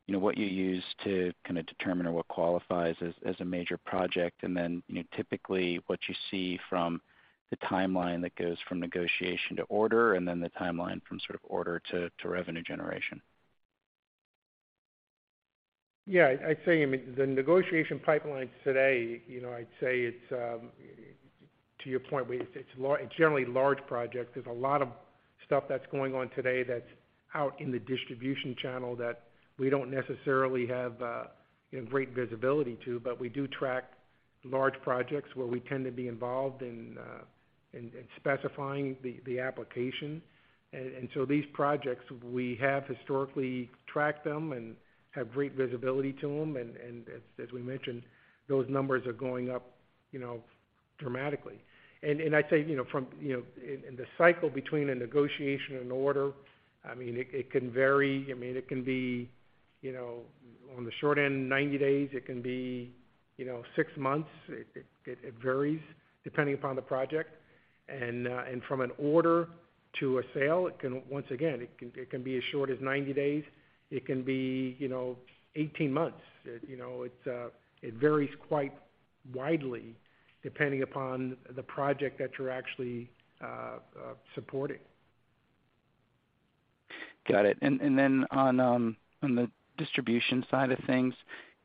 you know, what you use to kinda determine or what qualifies as a major project. You know, typically what you see from the timeline that goes from negotiation to order and then the timeline from sort of order to revenue generation. Yeah. I'd say, I mean, the negotiation pipelines today, you know, I'd say it's, to your point, it's large, it's generally large projects. There's a lot of stuff that's going on today that's out in the distribution channel that we don't necessarily have, you know, great visibility to, but we do track large projects where we tend to be involved in specifying the application. So these projects, we have historically tracked them and have great visibility to them. As we mentioned, those numbers are going up, you know, dramatically. I'd say, you know, from, you know, in the cycle between a negotiation and order, I mean, it can vary. I mean, it can be, you know, on the short end, 90 days, it can be, you know, six months. It varies depending upon the project. From an order to a sale, it can, once again, be as short as 90 days. It can be, you know, 18 months. You know, it varies quite widely depending upon the project that you're actually supporting. Got it. On the distribution side of things,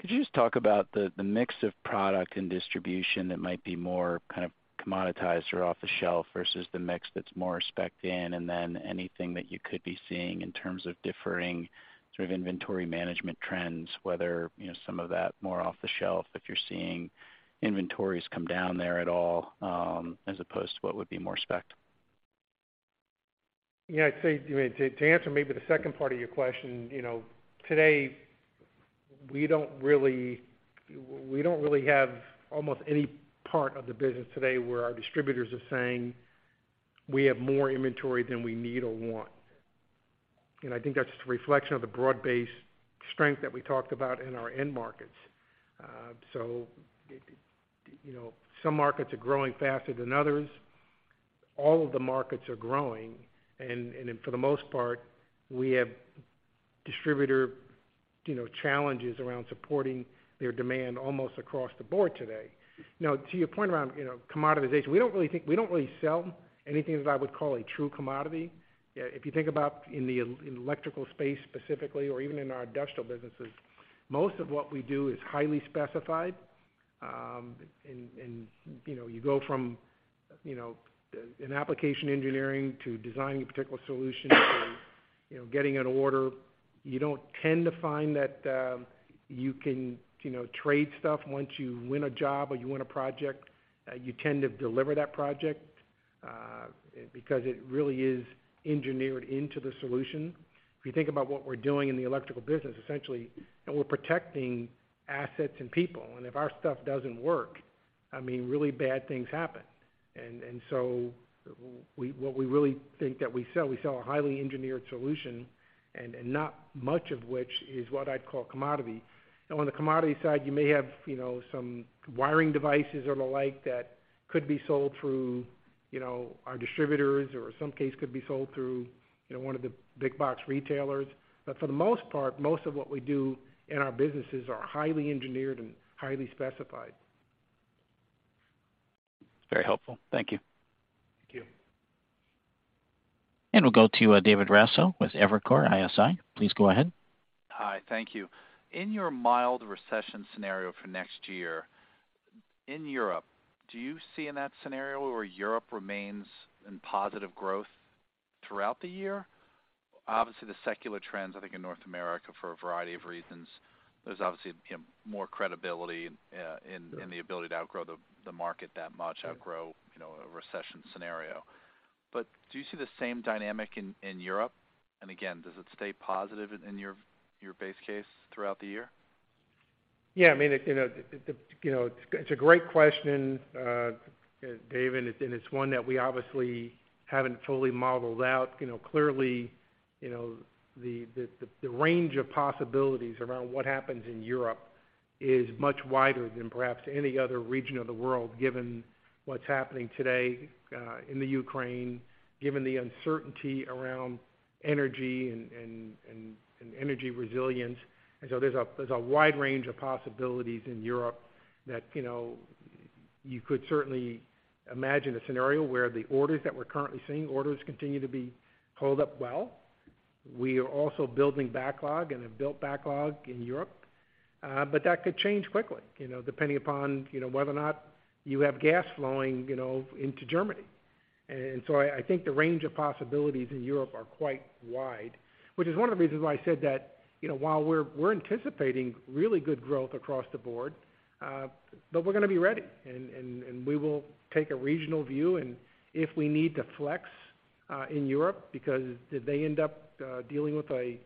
could you just talk about the mix of product and distribution that might be more kind of commoditized or off the shelf versus the mix that's more spec'd in? Anything that you could be seeing in terms of differing sort of inventory management trends, whether you know some of that more off the shelf, if you're seeing inventories come down there at all, as opposed to what would be more spec'd. Yeah. I'd say, I mean, to answer maybe the second part of your question, you know, today, we don't really have almost any part of the business today where our distributors are saying, we have more inventory than we need or want. I think that's just a reflection of the broad-based strength that we talked about in our end markets. You know, some markets are growing faster than others. All of the markets are growing. For the most part, we have distributor, you know, challenges around supporting their demand almost across the board today. Now, to your point around, you know, commoditization, we don't really think we sell anything that I would call a true commodity. If you think about, in the electrical space specifically, or even in our industrial businesses, most of what we do is highly specified. You know, you go from application engineering to designing a particular solution to getting an order. You don't tend to find that you can trade stuff once you win a job or you win a project. You tend to deliver that project because it really is engineered into the solution. If you think about what we're doing in the electrical business, essentially, we're protecting assets and people. What we really think that we sell, we sell a highly engineered solution, and not much of which is what I'd call commodity. On the commodity side, you may have, you know, some wiring devices or the like that could be sold through, you know, our distributors or in some cases could be sold through, you know, one of the big box retailers. For the most part, most of what we do in our businesses are highly engineered and highly specified. Very helpful. Thank you. Thank you. We'll go to David Raso with Evercore ISI. Please go ahead. Hi. Thank you. In your mild recession scenario for next year, in Europe, do you see in that scenario where Europe remains in positive growth throughout the year? Obviously, the secular trends, I think in North America for a variety of reasons, there's obviously, you know, more credibility in the ability to outgrow the market that much, you know, a recession scenario. Do you see the same dynamic in Europe? Again, does it stay positive in your base case throughout the year? Yeah, I mean it, you know, it's a great question, David, and it's one that we obviously haven't fully modeled out. You know, clearly, the range of possibilities around what happens in Europe is much wider than perhaps any other region of the world, given what's happening today in the Ukraine, given the uncertainty around energy and energy resilience. There's a wide range of possibilities in Europe that, you know, you could certainly imagine a scenario where the orders that we're currently seeing continue to be held up well. We are also building backlog and have built backlog in Europe, but that could change quickly, you know, depending upon, you know, whether or not you have gas flowing, you know, into Germany. I think the range of possibilities in Europe are quite wide, which is one of the reasons why I said that, you know, while we're anticipating really good growth across the board, but we're gonna be ready, and we will take a regional view. If we need to flex in Europe because they end up dealing with a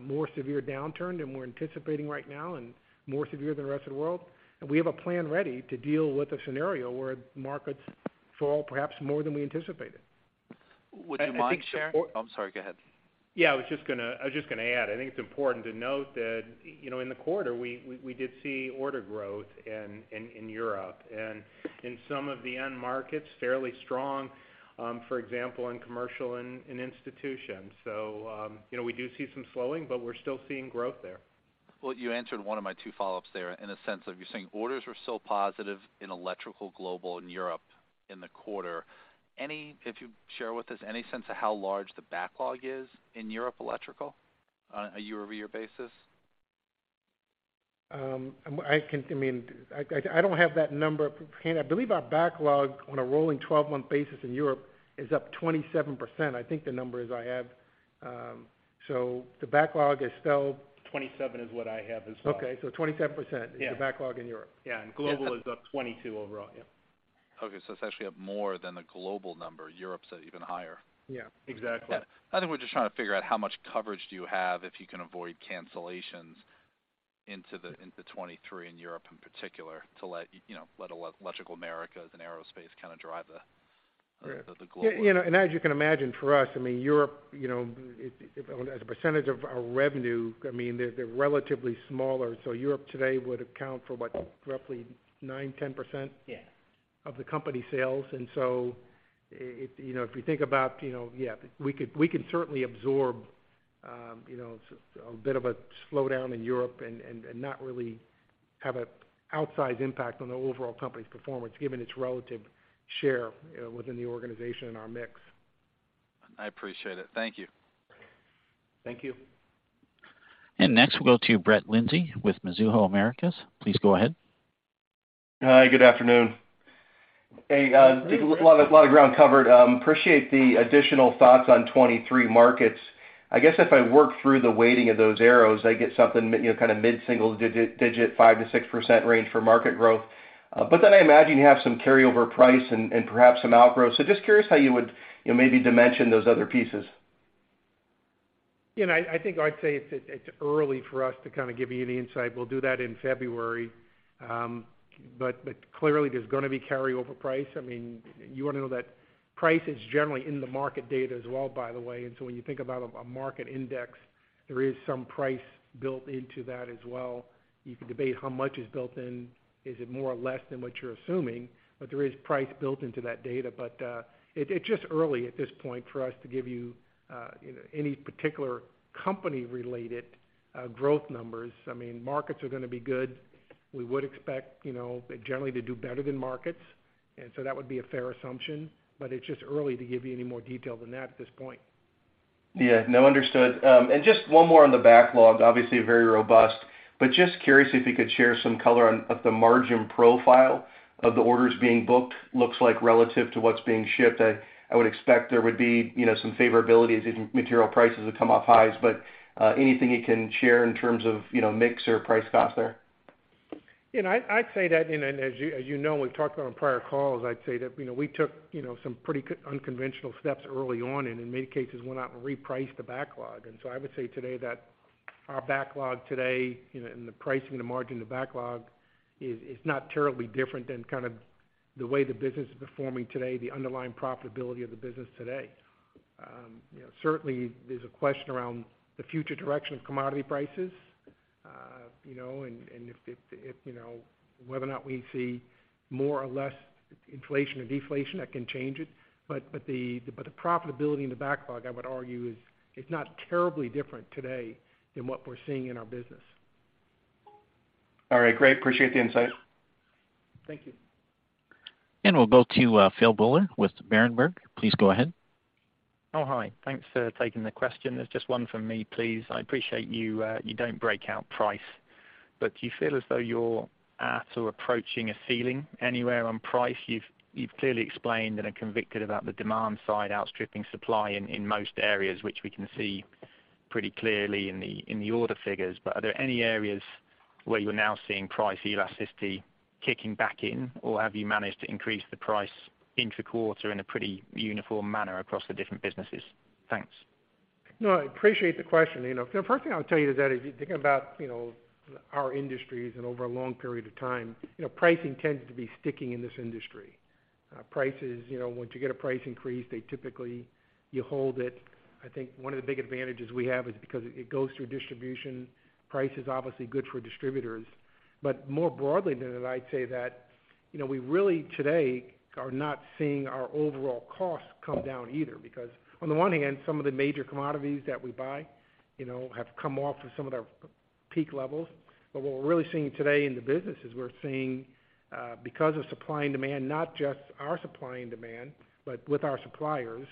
more severe downturn than we're anticipating right now and more severe than the rest of the world, we have a plan ready to deal with a scenario where markets fall perhaps more than we anticipated. Would you mind sharing? I think it's important. I'm sorry, go ahead. Yeah, I was just gonna add, I think it's important to note that, you know, in the quarter, we did see order growth in Europe, and in some of the end markets, fairly strong, for example, in commercial and in institutions. You know, we do see some slowing, but we're still seeing growth there. Well, you answered one of my two follow-ups there in the sense of you're saying orders were still positive in Electrical Global in Europe in the quarter. If you'd share with us any sense of how large the backlog is in Europe Electrical on a year-over-year basis? I mean, I don't have that number at hand. I believe our backlog on a rolling 12-month basis in Europe is up 27%. I think the number is I have, so the backlog is still. 27 is what I have as well. Okay. 27% is the backlog in Europe. Yeah. Global is up 22% overall. Yeah. Okay. It's actually up more than the global number. Europe's even higher. Yeah. Exactly. I think we're just trying to figure out how much coverage do you have if you can avoid cancellations into 2023, in Europe in particular, to let you know, let Electrical Americas and Aerospace kind of drive the global. Yeah. As you can imagine, for us, I mean, Europe, you know, it, as a percentage of our revenue, I mean, they're relatively smaller. So Europe today would account for what? Roughly 9%-10% of the company sales. If you know, if you think about, you know, yeah, we could certainly absorb, you know, a bit of a slowdown in Europe and not really have an outsized impact on the overall company's performance, given its relative share, you know, within the organization and our mix. I appreciate it. Thank you. Thank you. Next, we'll go to Brett Linzey with Mizuho Americas. Please go ahead. Hi, good afternoon. Hey, did a lot of ground covered. Appreciate the additional thoughts on 2023 markets. I guess if I work through the weighting of those arrows, I get something, you know, kind of mid-single digit 5%-6% range for market growth. But then I imagine you have some carryover price and perhaps some outgrow. Just curious how you would, you know, maybe dimension those other pieces. You know, I think I'd say it's early for us to kind of give you the insight. We'll do that in February. Clearly there's gonna be carryover price. I mean, you wanna know that price is generally in the market data as well, by the way. When you think about a market index, there is some price built into that as well. You can debate how much is built in, is it more or less than what you're assuming, but there is price built into that data. It's just early at this point for us to give you any particular company-related growth numbers. I mean, markets are gonna be good. We would expect, you know, generally to do better than markets, and so that would be a fair assumption, but it's just early to give you any more detail than that at this point. Yeah. No, understood. Just one more on the backlog, obviously very robust, but just curious if you could share some color on the margin profile of the orders being booked looks like relative to what's being shipped. I would expect there would be, you know, some favorability as material prices have come off highs. Anything you can share in terms of, you know, mix or price cost there? You know, I'd say that, and as you know, we've talked about on prior calls, I'd say that, you know, we took, you know, some pretty unconventional steps early on and in many cases went out and repriced the backlog. I would say today that our backlog today, you know, and the pricing and the margin of backlog is not terribly different than kind of the way the business is performing today, the underlying profitability of the business today. You know, certainly there's a question around the future direction of commodity prices, you know, and if, you know, whether or not we see more or less inflation or deflation, that can change it. The profitability in the backlog, I would argue, is not terribly different today than what we're seeing in our business. All right, great. Appreciate the insight. Thank you. We'll go to Phil Buller with Berenberg. Please go ahead. Oh, hi. Thanks for taking the question. There's just one from me, please. I appreciate you don't break out price, but do you feel as though you're at or approaching a ceiling anywhere on price? You've clearly explained and are convicted about the demand side outstripping supply in most areas, which we can see pretty clearly in the order figures. Are there any areas where you're now seeing price elasticity kicking back in? Or have you managed to increase the price intra-quarter in a pretty uniform manner across the different businesses? Thanks. No, I appreciate the question, you know. The first thing I would tell you is that if you're thinking about, you know, our industries and over a long period of time, you know, pricing tends to be sticky in this industry. Prices, you know, once you get a price increase, they typically, you hold it. I think one of the big advantages we have is because it goes through distribution. Price is obviously good for distributors. But more broadly than that, I'd say that, you know, we really today are not seeing our overall costs come down either. Because on the one hand, some of the major commodities that we buy, you know, have come off of some of their peak levels. What we're really seeing today in the business is we're seeing, because of supply and demand, not just our supply and demand, but with our suppliers,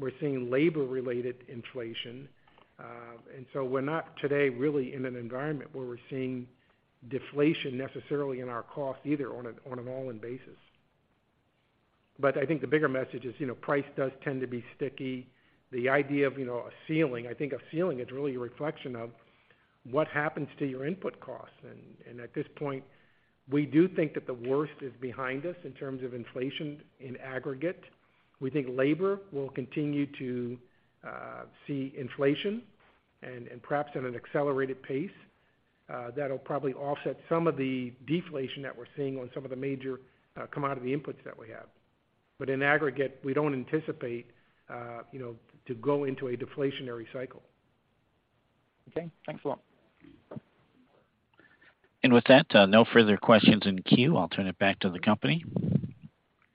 we're seeing labor-related inflation. We're not today really in an environment where we're seeing deflation necessarily in our costs either on an all-in basis. I think the bigger message is, you know, price does tend to be sticky. The idea of, you know, a ceiling, I think a ceiling is really a reflection of what happens to your input costs. At this point, we do think that the worst is behind us in terms of inflation in aggregate. We think labor will continue to see inflation and perhaps at an accelerated pace. That'll probably offset some of the deflation that we're seeing on some of the major commodity inputs that we have. In aggregate, we don't anticipate, you know, to go into a deflationary cycle. Okay, thanks a lot. With that, no further questions in queue. I'll turn it back to the company.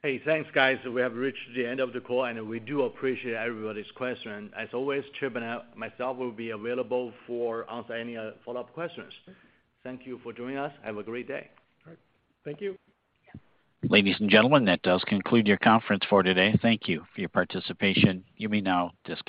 Hey, thanks, guys. We have reached the end of the call, and we do appreciate everybody's question. As always, Chip and I myself will be available to answer any follow-up questions. Thank you for joining us. Have a great day. All right. Thank you. Ladies and gentlemen, that does conclude your conference for today. Thank you for your participation. You may now disconnect.